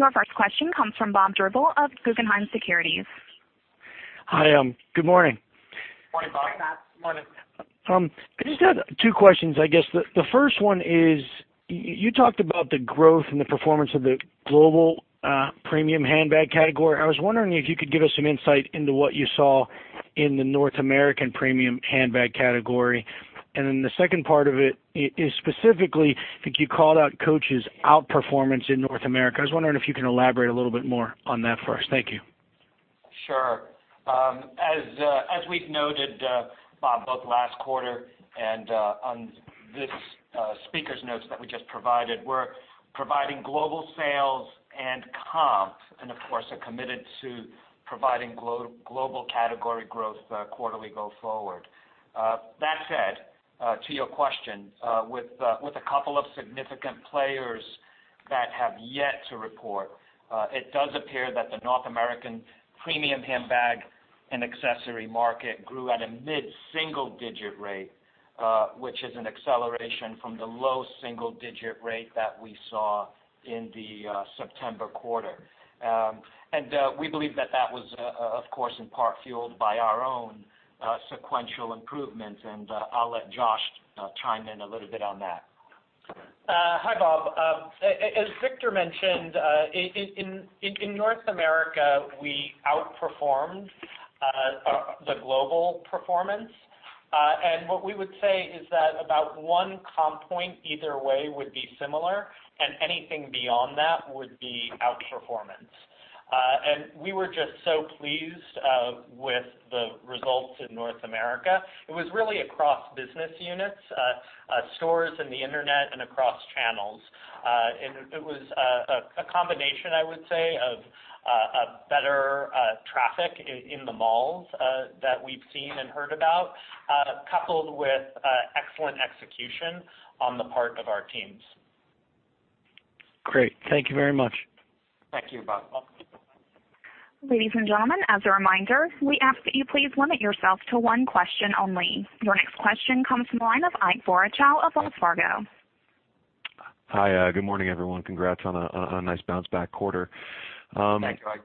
Your first question comes from Bob Drbul of Guggenheim Securities.
Hi. Good morning.
Morning, Bob.
Morning.
I just had two questions. I guess the first one is, you talked about the growth and the performance of the global premium handbag category. I was wondering if you could give us some insight into what you saw in the North American premium handbag category. Then the second part of it is specifically, I think you called out Coach's outperformance in North America. I was wondering if you can elaborate a little bit more on that for us. Thank you.
Sure. As we've noted, Bob, both last quarter and on these speakers' notes that we just provided, we're providing global sales and comps, and of course, are committed to providing global category growth quarterly go forward. That said, to your question, with a couple of significant players that have yet to report, it does appear that the North American premium handbag and accessory market grew at a mid-single digit rate, which is an acceleration from the low single-digit rate that we saw in the September quarter. We believe that that was, of course, in part fueled by our own sequential improvement, and I'll let Josh chime in a little bit on that.
Hi, Bob. As Victor mentioned, in North America, we outperformed the global performance. What we would say is that about one comp point either way would be similar, and anything beyond that would be outperformance. We were just so pleased with the results in North America. It was really across business units, stores, and the Internet, and across channels. It was a combination, I would say, of better traffic in the malls that we've seen and heard about, coupled with excellent execution on the part of our teams.
Great. Thank you very much.
Thank you, Bob.
Welcome.
Ladies and gentlemen, as a reminder, we ask that you please limit yourself to one question only. Your next question comes from the line of Ike Boruchow of Wells Fargo.
Hi. Good morning, everyone. Congrats on a nice bounce-back quarter.
Thank you, Ike.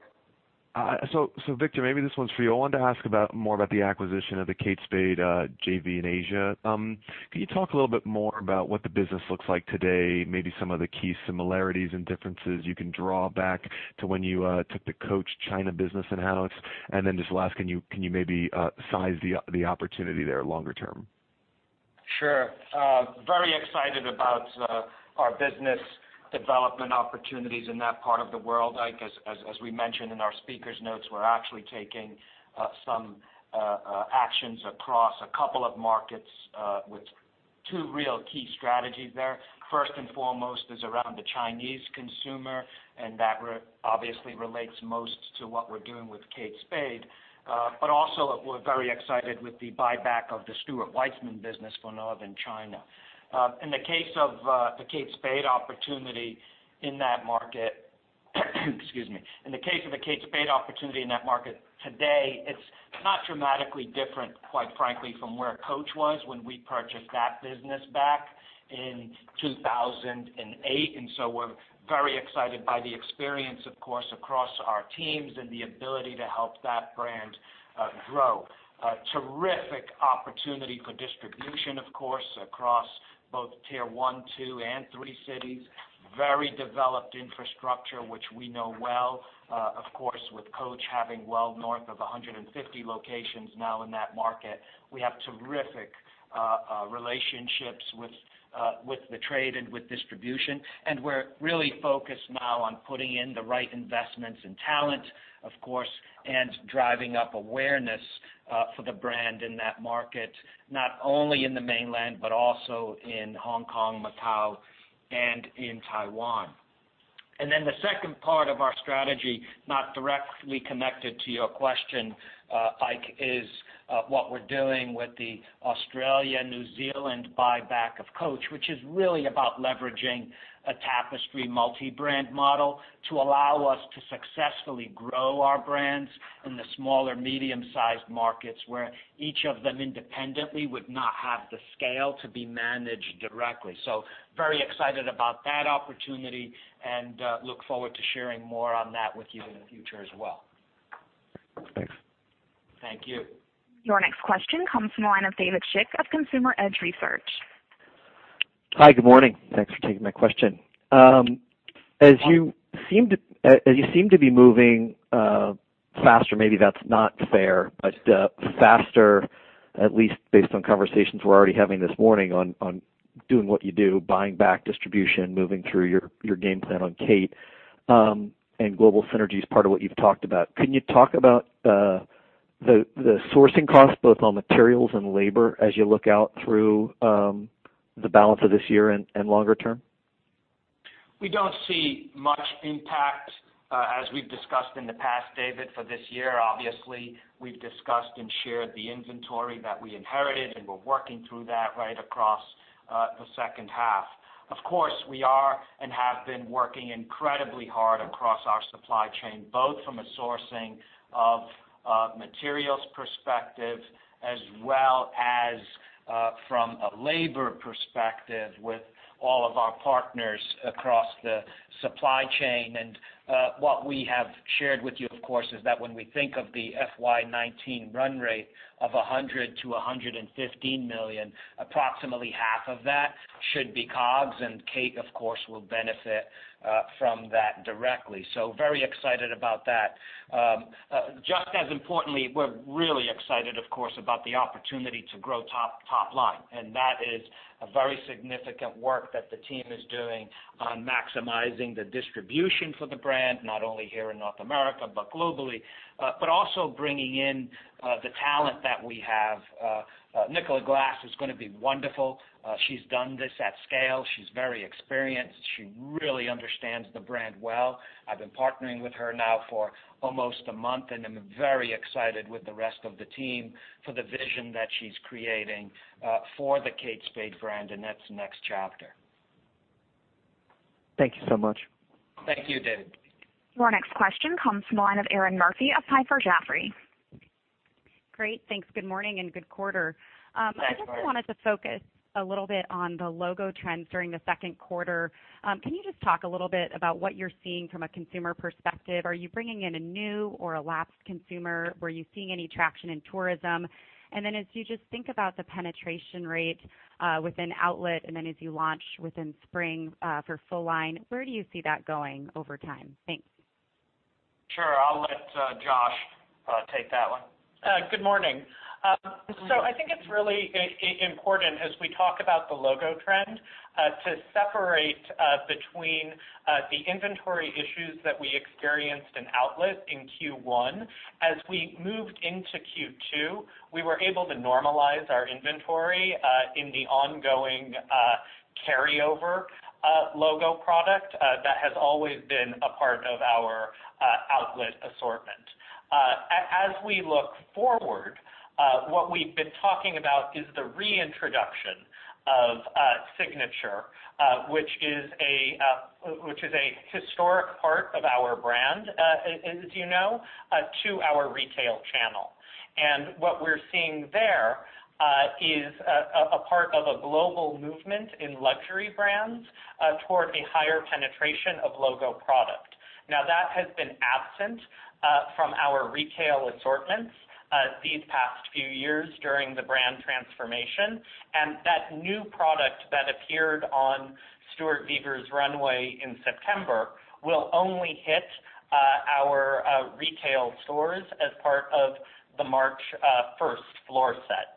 Victor, maybe this one's for you. I wanted to ask more about the acquisition of the Kate Spade JV in Asia. Can you talk a little bit more about what the business looks like today, maybe some of the key similarities and differences you can draw back to when you took the Coach China business in-house? Just last, can you maybe size the opportunity there longer term?
Sure. Very excited about our business development opportunities in that part of the world, Ike. As we mentioned in our speakers notes, we're actually taking some actions across a couple of markets with two real key strategies there. First and foremost is around the Chinese consumer, and that obviously relates most to what we're doing with Kate Spade. Also, we're very excited with the buyback of the Stuart Weitzman business for Northern China. In the case of a Kate Spade opportunity in that market today, it's not dramatically different, quite frankly, from where Coach was when we purchased that business back in 2008. We're very excited by the experience, of course, across our teams and the ability to help that brand grow. Terrific opportunity for distribution, of course, across both tier 1, 2, and 3 cities. Very developed infrastructure, which we know well, of course, with Coach having well north of 150 locations now in that market. We have terrific relationships with the trade and with distribution, and we're really focused now on putting in the right investments and talent, of course, and driving up awareness for the brand in that market, not only in the mainland, but also in Hong Kong, Macau, and in Taiwan. The second part of our strategy, not directly connected to your question, Ike, is what we're doing with the Australia, New Zealand buyback of Coach, which is really about leveraging a Tapestry multi-brand model to allow us to successfully grow our brands in the smaller medium-sized markets where each of them independently would not have the scale to be managed directly. Very excited about that opportunity and look forward to sharing more on that with you in the future as well.
Thanks.
Thank you.
Your next question comes from the line of David Schick of Consumer Edge Research.
Hi, good morning. Thanks for taking my question. As you seem to be moving faster, maybe that's not fair, but faster, at least based on conversations we're already having this morning on doing what you do, buying back distribution, moving through your game plan on Kate, and global synergy is part of what you've talked about. Can you talk about the sourcing cost, both on materials and labor, as you look out through the balance of this year and longer term?
We don't see much impact as we've discussed in the past, David. For this year, obviously, we've discussed and shared the inventory that we inherited, and we're working through that right across the second half. Of course, we are and have been working incredibly hard across our supply chain, both from a sourcing of materials perspective as well as from a labor perspective with all of our partners across the supply chain. What we have shared with you, of course, is that when we think of the FY 2019 run rate of $100 million-$115 million, approximately half of that should be COGS, and Kate, of course, will benefit from that directly. Very excited about that. Just as importantly, we're really excited, of course, about the opportunity to grow top line, that is a very significant work that the team is doing on maximizing the distribution for the brand, not only here in North America, but globally. Also bringing in the talent that we have. Nicola Glass is going to be wonderful. She's done this at scale. She's very experienced. She really understands the brand well. I've been partnering with her now for almost a month, and I'm very excited with the rest of the team for the vision that she's creating for the Kate Spade brand and its next chapter.
Thank you so much.
Thank you, David.
Your next question comes from the line of Erinn Murphy of Piper Jaffray.
Great. Thanks. Good morning and good quarter.
Thanks, Erinn.
I just wanted to focus a little bit on the logo trends during the second quarter. Can you just talk a little bit about what you're seeing from a consumer perspective? Are you bringing in a new or a lapsed consumer? Were you seeing any traction in tourism? As you just think about the penetration rate within outlet, and then as you launch within spring for full line, where do you see that going over time? Thanks.
Sure. I'll let Josh take that one.
Good morning. I think it's really important as we talk about the logo trend to separate between the inventory issues that we experienced in outlet in Q1. As we moved into Q2, we were able to normalize our inventory in the ongoing carryover logo product that has always been a part of our outlet assortment. As we look forward, what we've been talking about is the reintroduction of signature which is a historic part of our brand, as you know, to our retail channel. What we're seeing there is a part of a global movement in luxury brands toward a higher penetration of logo product. Now, that has been absent from our retail assortments these past few years during the brand transformation, and that new product that appeared on Stuart Vevers' runway in September will only hit our retail stores as part of the March 1st floor set.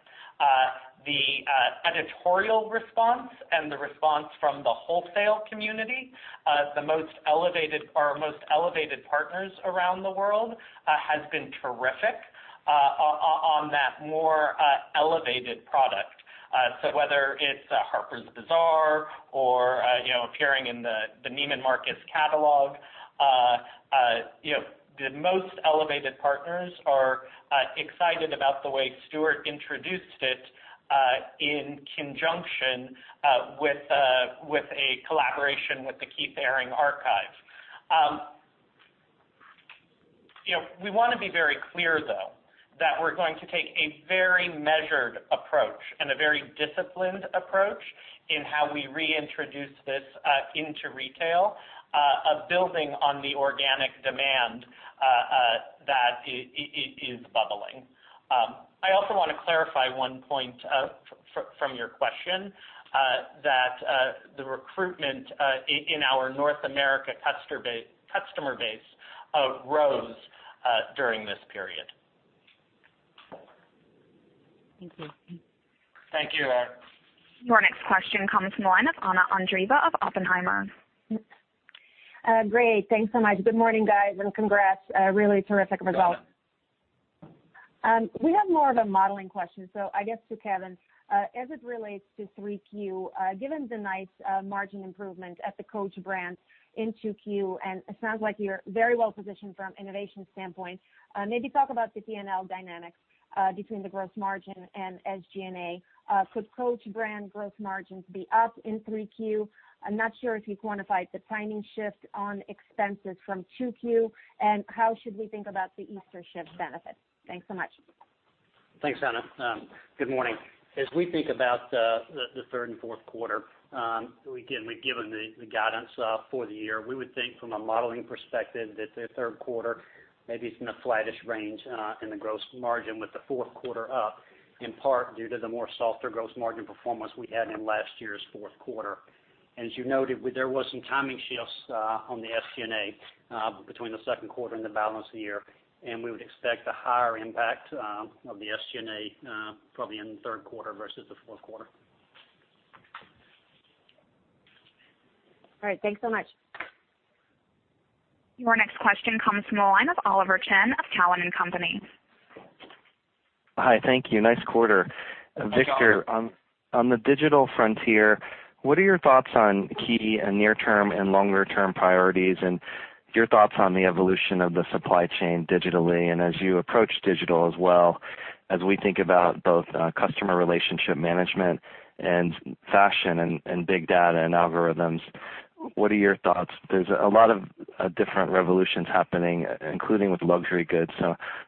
The editorial response and the response from the wholesale community, our most elevated partners around the world, has been terrific on that more elevated product. Whether it's Harper's Bazaar or appearing in the Neiman Marcus catalog, the most elevated partners are excited about the way Stuart introduced it in conjunction with a collaboration with the Keith Haring archive. We want to be very clear, though, that we're going to take a very measured approach and a very disciplined approach in how we reintroduce this into retail, building on the organic demand that is bubbling. I also want to clarify one point from your question, that the recruitment in our North America customer base rose during this period.
Thank you.
Thank you, Erinn.
Your next question comes from the line of Anna Andreeva of Oppenheimer.
Great. Thanks so much. Good morning, guys, and congrats. A really terrific result. We have more of a modeling question. I guess to Kevin, as it relates to 3Q, given the nice margin improvement at the Coach brand in 2Q, it sounds like you're very well positioned from innovation standpoint. Maybe talk about the P&L dynamics between the gross margin and SG&A. Could Coach brand gross margins be up in 3Q? I'm not sure if you quantified the timing shift on expenses from 2Q, and how should we think about the Easter shift benefit? Thanks so much.
Thanks, Anna. Good morning. As we think about the third and fourth quarter, again, we've given the guidance for the year. We would think from a modeling perspective that the third quarter maybe is in a flattish range in the gross margin with the fourth quarter up, in part due to the more softer gross margin performance we had in last year's fourth quarter. As you noted, there was some timing shifts on the SG&A between the second quarter and the balance of the year, we would expect a higher impact of the SG&A probably in the third quarter versus the fourth quarter.
All right. Thanks so much.
Your next question comes from the line of Oliver Chen of Cowen and Company.
Hi. Thank you. Nice quarter.
Thanks, Oliver.
Victor, on the digital frontier, what are your thoughts on key and near-term and longer-term priorities, and your thoughts on the evolution of the supply chain digitally? As you approach digital as well, as we think about both customer relationship management and fashion and big data and algorithms, what are your thoughts? There's a lot of different revolutions happening, including with luxury goods.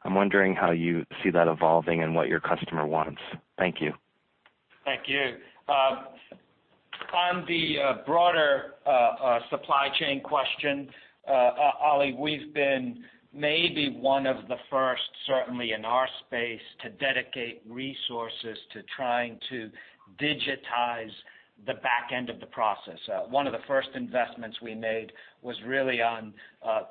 I'm wondering how you see that evolving and what your customer wants. Thank you.
Thank you. On the broader supply chain question, Ollie, we've been maybe one of the first, certainly in our space, to dedicate resources to trying to digitize the back end of the process. One of the first investments we made was really on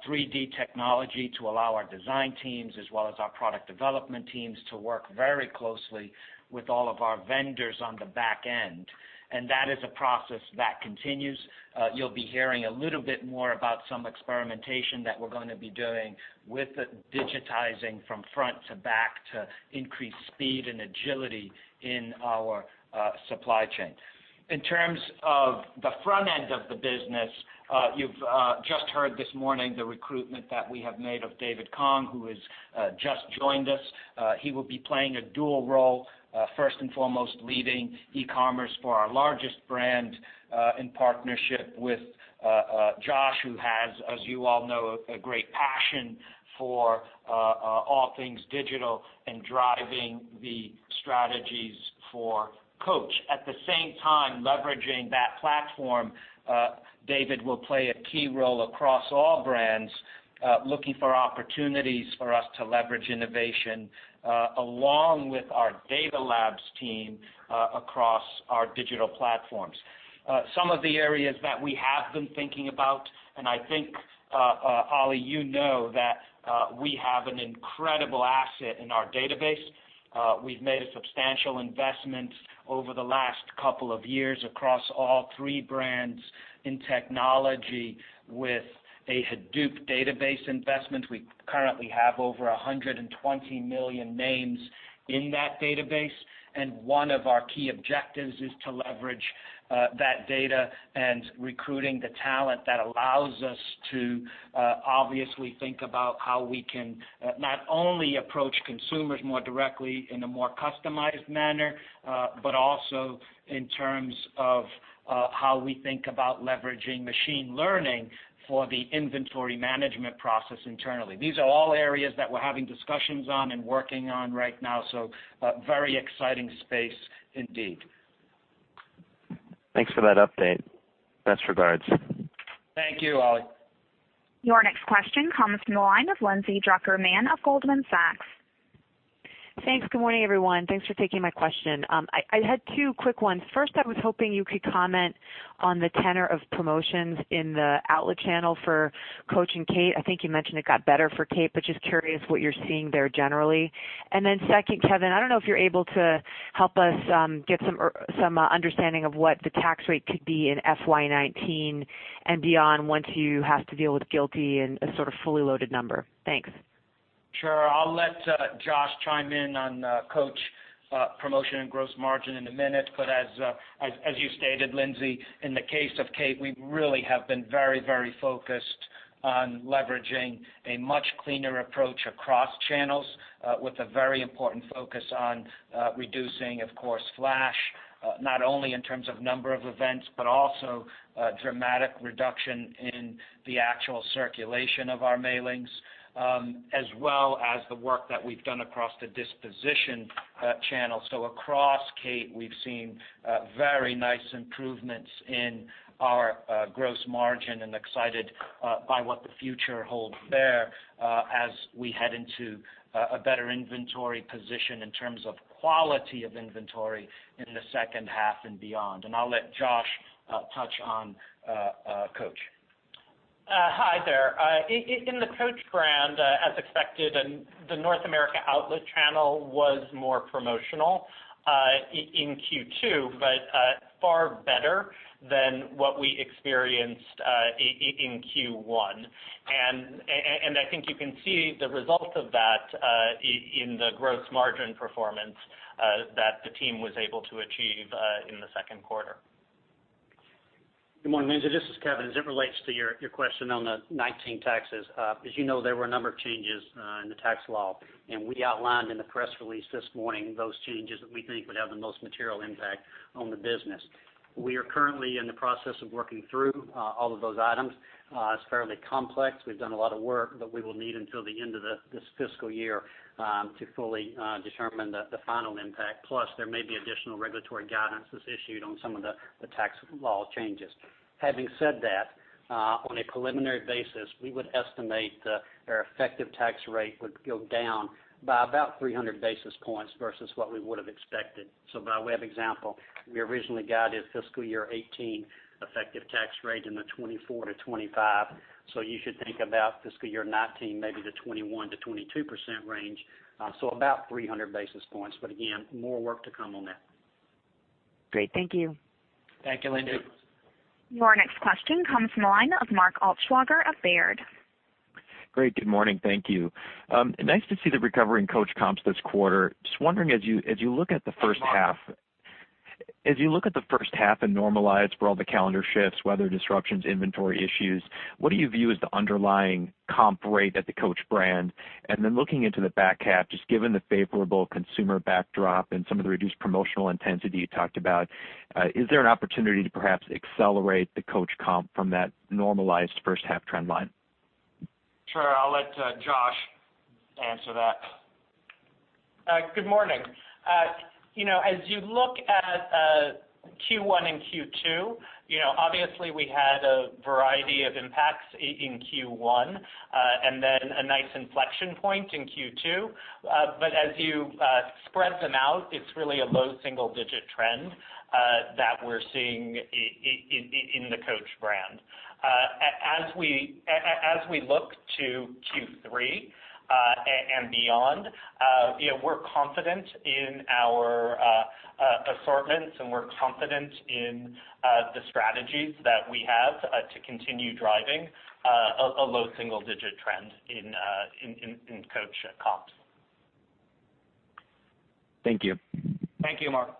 3D technology to allow our design teams as well as our product development teams to work very closely with all of our vendors on the back end. That is a process that continues. You'll be hearing a little bit more about some experimentation that we're going to be doing with digitizing from front to back to increase speed and agility in our supply chain. In terms of the front end of the business, you've just heard this morning the recruitment that we have made of David Kong, who has just joined us. He will be playing a dual role, first and foremost, leading e-commerce for our largest brand in partnership with Josh, who has, as you all know, a great passion for all things digital and driving the strategies for Coach. At the same time, leveraging that platform, David will play a key role across all three brands, looking for opportunities for us to leverage innovation along with our data labs team across our digital platforms. Some of the areas that we have been thinking about, I think, Ollie, you know that we have an incredible asset in our database. We've made a substantial investment over the last couple of years across all three brands in technology with a Hadoop database investment. We currently have over 120 million names in that database, one of our key objectives is to leverage that data and recruiting the talent that allows us to obviously think about how we can not only approach consumers more directly in a more customized manner, but also in terms of how we think about leveraging machine learning for the inventory management process internally. These are all areas that we're having discussions on and working on right now, so a very exciting space indeed.
Thanks for that update. Best regards.
Thank you, Ollie.
Your next question comes from the line of Lindsay Drucker Mann of Goldman Sachs.
Thanks. Good morning, everyone. Thanks for taking my question. I had two quick ones. First, I was hoping you could comment on the tenor of promotions in the outlet channel for Coach and Kate. I think you mentioned it got better for Kate, but just curious what you're seeing there generally. Second, Kevin, I don't know if you're able to help us get some understanding of what the tax rate could be in FY 2019 and beyond once you have to deal with GILTI and a sort of fully loaded number. Thanks.
Sure. I'll let Josh chime in on Coach promotion and gross margin in a minute. As you stated, Lindsay, in the case of Kate, we really have been very focused on leveraging a much cleaner approach across channels with a very important focus on reducing, of course, flash, not only in terms of number of events, but also a dramatic reduction in the actual circulation of our mailings, as well as the work that we've done across the disposition channel. Across Kate, we've seen very nice improvements in our gross margin and excited by what the future holds there as we head into a better inventory position in terms of quality of inventory in the second half and beyond. I'll let Josh touch on Coach.
Hi there. In the Coach brand, as expected, the North America outlet channel was more promotional in Q2, far better than what we experienced in Q1. I think you can see the result of that in the gross margin performance that the team was able to achieve in the second quarter.
Good morning, Lindsay. This is Kevin. As it relates to your question on the 2019 taxes. As you know, there were a number of changes in the tax law, we outlined in the press release this morning those changes that we think would have the most material impact on the business. We are currently in the process of working through all of those items. It's fairly complex. We've done a lot of work, we will need until the end of this fiscal year to fully determine the final impact. Plus, there may be additional regulatory guidances issued on some of the tax law changes. Having said that, on a preliminary basis, we would estimate our effective tax rate would go down by about 300 basis points versus what we would have expected. By way of example, we originally guided fiscal year 2018 effective tax rate in the 24%-25%. You should think about fiscal year 2019 maybe the 21%-22% range. About 300 basis points. Again, more work to come on that.
Great. Thank you.
Thank you, Linda.
Your next question comes from the line of Mark Altschwager of Baird.
Great. Good morning. Thank you. Nice to see the recovery in Coach comps this quarter. Just wondering, as you look at the first half and normalize for all the calendar shifts, weather disruptions, inventory issues, what do you view as the underlying comp rate at the Coach brand? Then looking into the back half, just given the favorable consumer backdrop and some of the reduced promotional intensity you talked about, is there an opportunity to perhaps accelerate the Coach comp from that normalized first half trend line?
Sure. I'll let Josh answer that.
Good morning. As you look at Q1 and Q2, obviously we had a variety of impacts in Q1, and then a nice inflection point in Q2. As you spread them out, it's really a low single-digit trend that we're seeing in the Coach brand. As we look to Q3 and beyond, we're confident in our assortments, and we're confident in the strategies that we have to continue driving a low single-digit trend in Coach comps.
Thank you.
Thank you, Mark.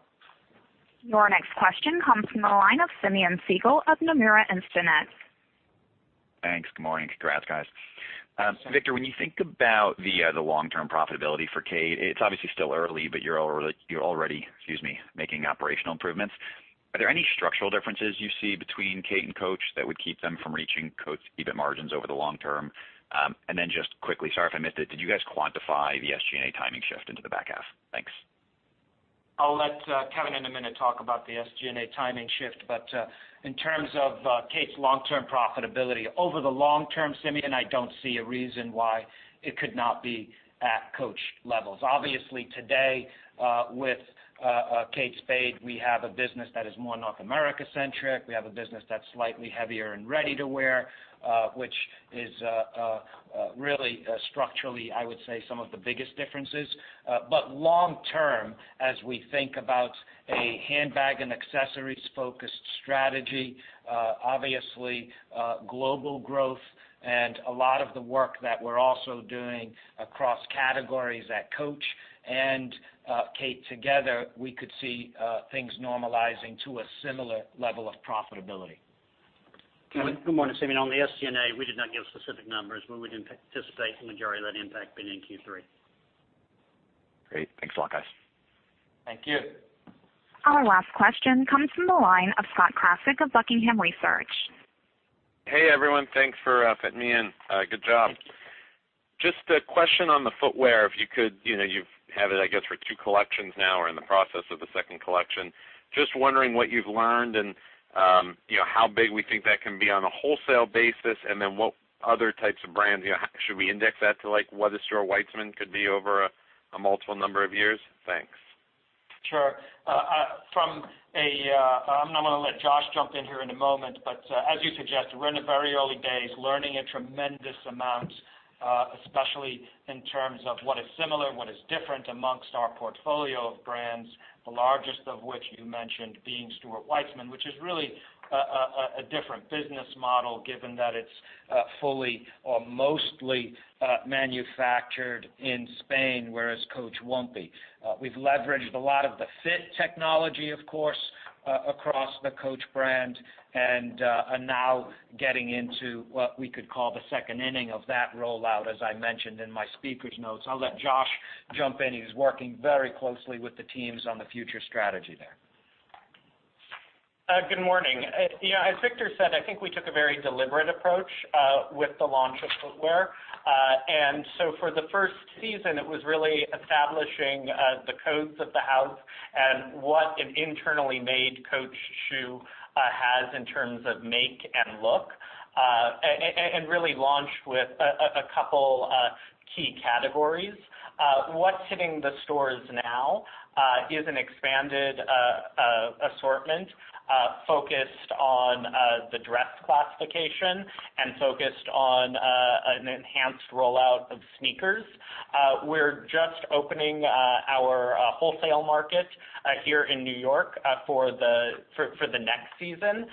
Your next question comes from the line of Simeon Siegel of Nomura Instinet.
Thanks. Good morning. Congrats, guys. Victor, when you think about the long-term profitability for Kate, it's obviously still early, but you're already making operational improvements. Are there any structural differences you see between Kate and Coach that would keep them from reaching Coach EBIT margins over the long term? Then just quickly, sorry if I missed it, did you guys quantify the SG&A timing shift into the back half? Thanks.
I'll let Kevin in a minute talk about the SG&A timing shift. In terms of Kate's long-term profitability. Over the long term, Simeon, I don't see a reason why it could not be at Coach levels. Obviously today, with Kate Spade, we have a business that is more North America-centric. We have a business that's slightly heavier in ready-to-wear, which is really structurally, I would say, some of the biggest differences. Long term, as we think about a handbag and accessories-focused strategy, obviously global growth and a lot of the work that we're also doing across categories at Coach and Kate together, we could see things normalizing to a similar level of profitability. Kevin.
Good morning, Simeon. On the SG&A, we did not give specific numbers, but we'd anticipate the majority of that impact being in Q3.
Great. Thanks a lot, guys.
Thank you.
Our last question comes from the line of Scott Krasik of Buckingham Research.
Hey, everyone. Thanks for fitting me in. Good job. Just a question on the footwear, if you could. You've had it, I guess, for two collections now, or in the process of the second collection. Just wondering what you've learned and how big we think that can be on a wholesale basis, and then what other types of brands. Should we index that to what a Stuart Weitzman could be over a multiple number of years? Thanks.
Sure. I'm going to let Josh jump in here in a moment. As you suggest, we're in the very early days, learning a tremendous amount, especially in terms of what is similar, what is different amongst our portfolio of brands, the largest of which you mentioned being Stuart Weitzman. Which is really a different business model, given that it's fully or mostly manufactured in Spain, whereas Coach won't be. We've leveraged a lot of the fit technology, of course, across the Coach brand and are now getting into what we could call the second inning of that rollout, as I mentioned in my speaker's notes. I'll let Josh jump in. He's working very closely with the teams on the future strategy there.
Good morning. As Victor said, I think we took a very deliberate approach with the launch of footwear. For the first season, it was really establishing the codes of the house and what an internally made Coach shoe has in terms of make and look. Really launched with a couple key categories. What's hitting the stores now is an expanded assortment focused on the dress classification and focused on an enhanced rollout of sneakers. We're just opening our wholesale market here in New York for the next season,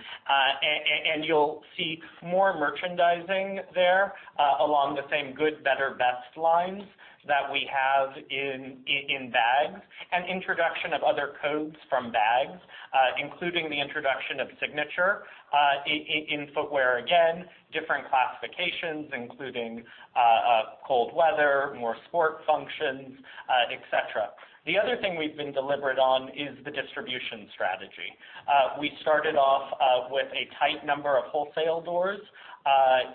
you'll see more merchandising there along the same good, better, best lines that we have in bags, introduction of other codes from bags including the introduction of signature in footwear. Again, different classifications including cold weather, more sport functions, et cetera. The other thing we've been deliberate on is the distribution strategy. We started off with a tight number of wholesale doors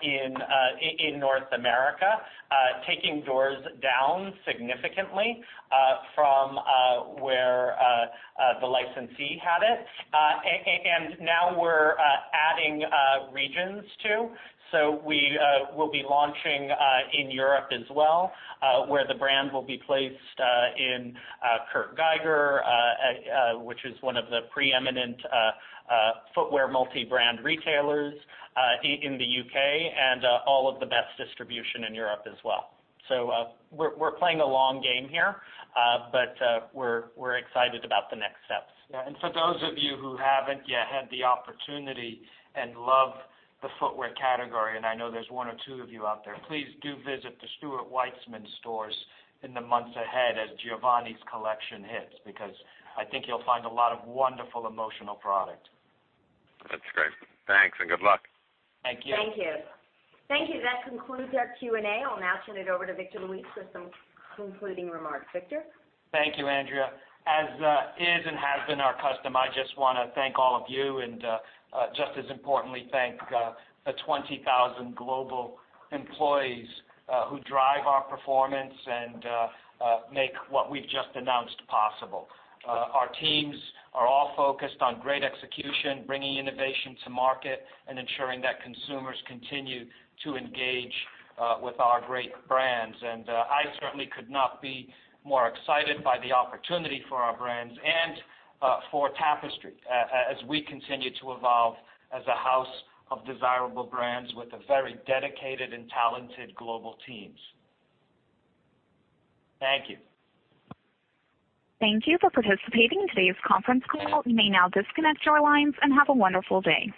in North America, taking doors down significantly from where the licensee had it. Now we're adding regions, too. We will be launching in Europe as well, where the brand will be placed in Kurt Geiger, which is one of the preeminent footwear multi-brand retailers in the U.K., and all of the best distribution in Europe as well. We're playing a long game here, but we're excited about the next steps.
Yeah. For those of you who haven't yet had the opportunity and love the footwear category, and I know there's one or two of you out there, please do visit the Stuart Weitzman stores in the months ahead as Giovanni's collection hits, because I think you'll find a lot of wonderful emotional product.
That's great. Thanks and good luck.
Thank you.
Thank you.
Thank you. That concludes our Q&A. I'll now turn it over to Victor Luis for some concluding remarks. Victor?
Thank you, Andrea. As is and has been our custom, I just want to thank all of you and, just as importantly, thank the 20,000 global employees who drive our performance and make what we've just announced possible. Our teams are all focused on great execution, bringing innovation to market, and ensuring that consumers continue to engage with our great brands. I certainly could not be more excited by the opportunity for our brands and for Tapestry as we continue to evolve as a house of desirable brands with very dedicated and talented global teams. Thank you.
Thank you for participating in today's conference call. You may now disconnect your lines, and have a wonderful day.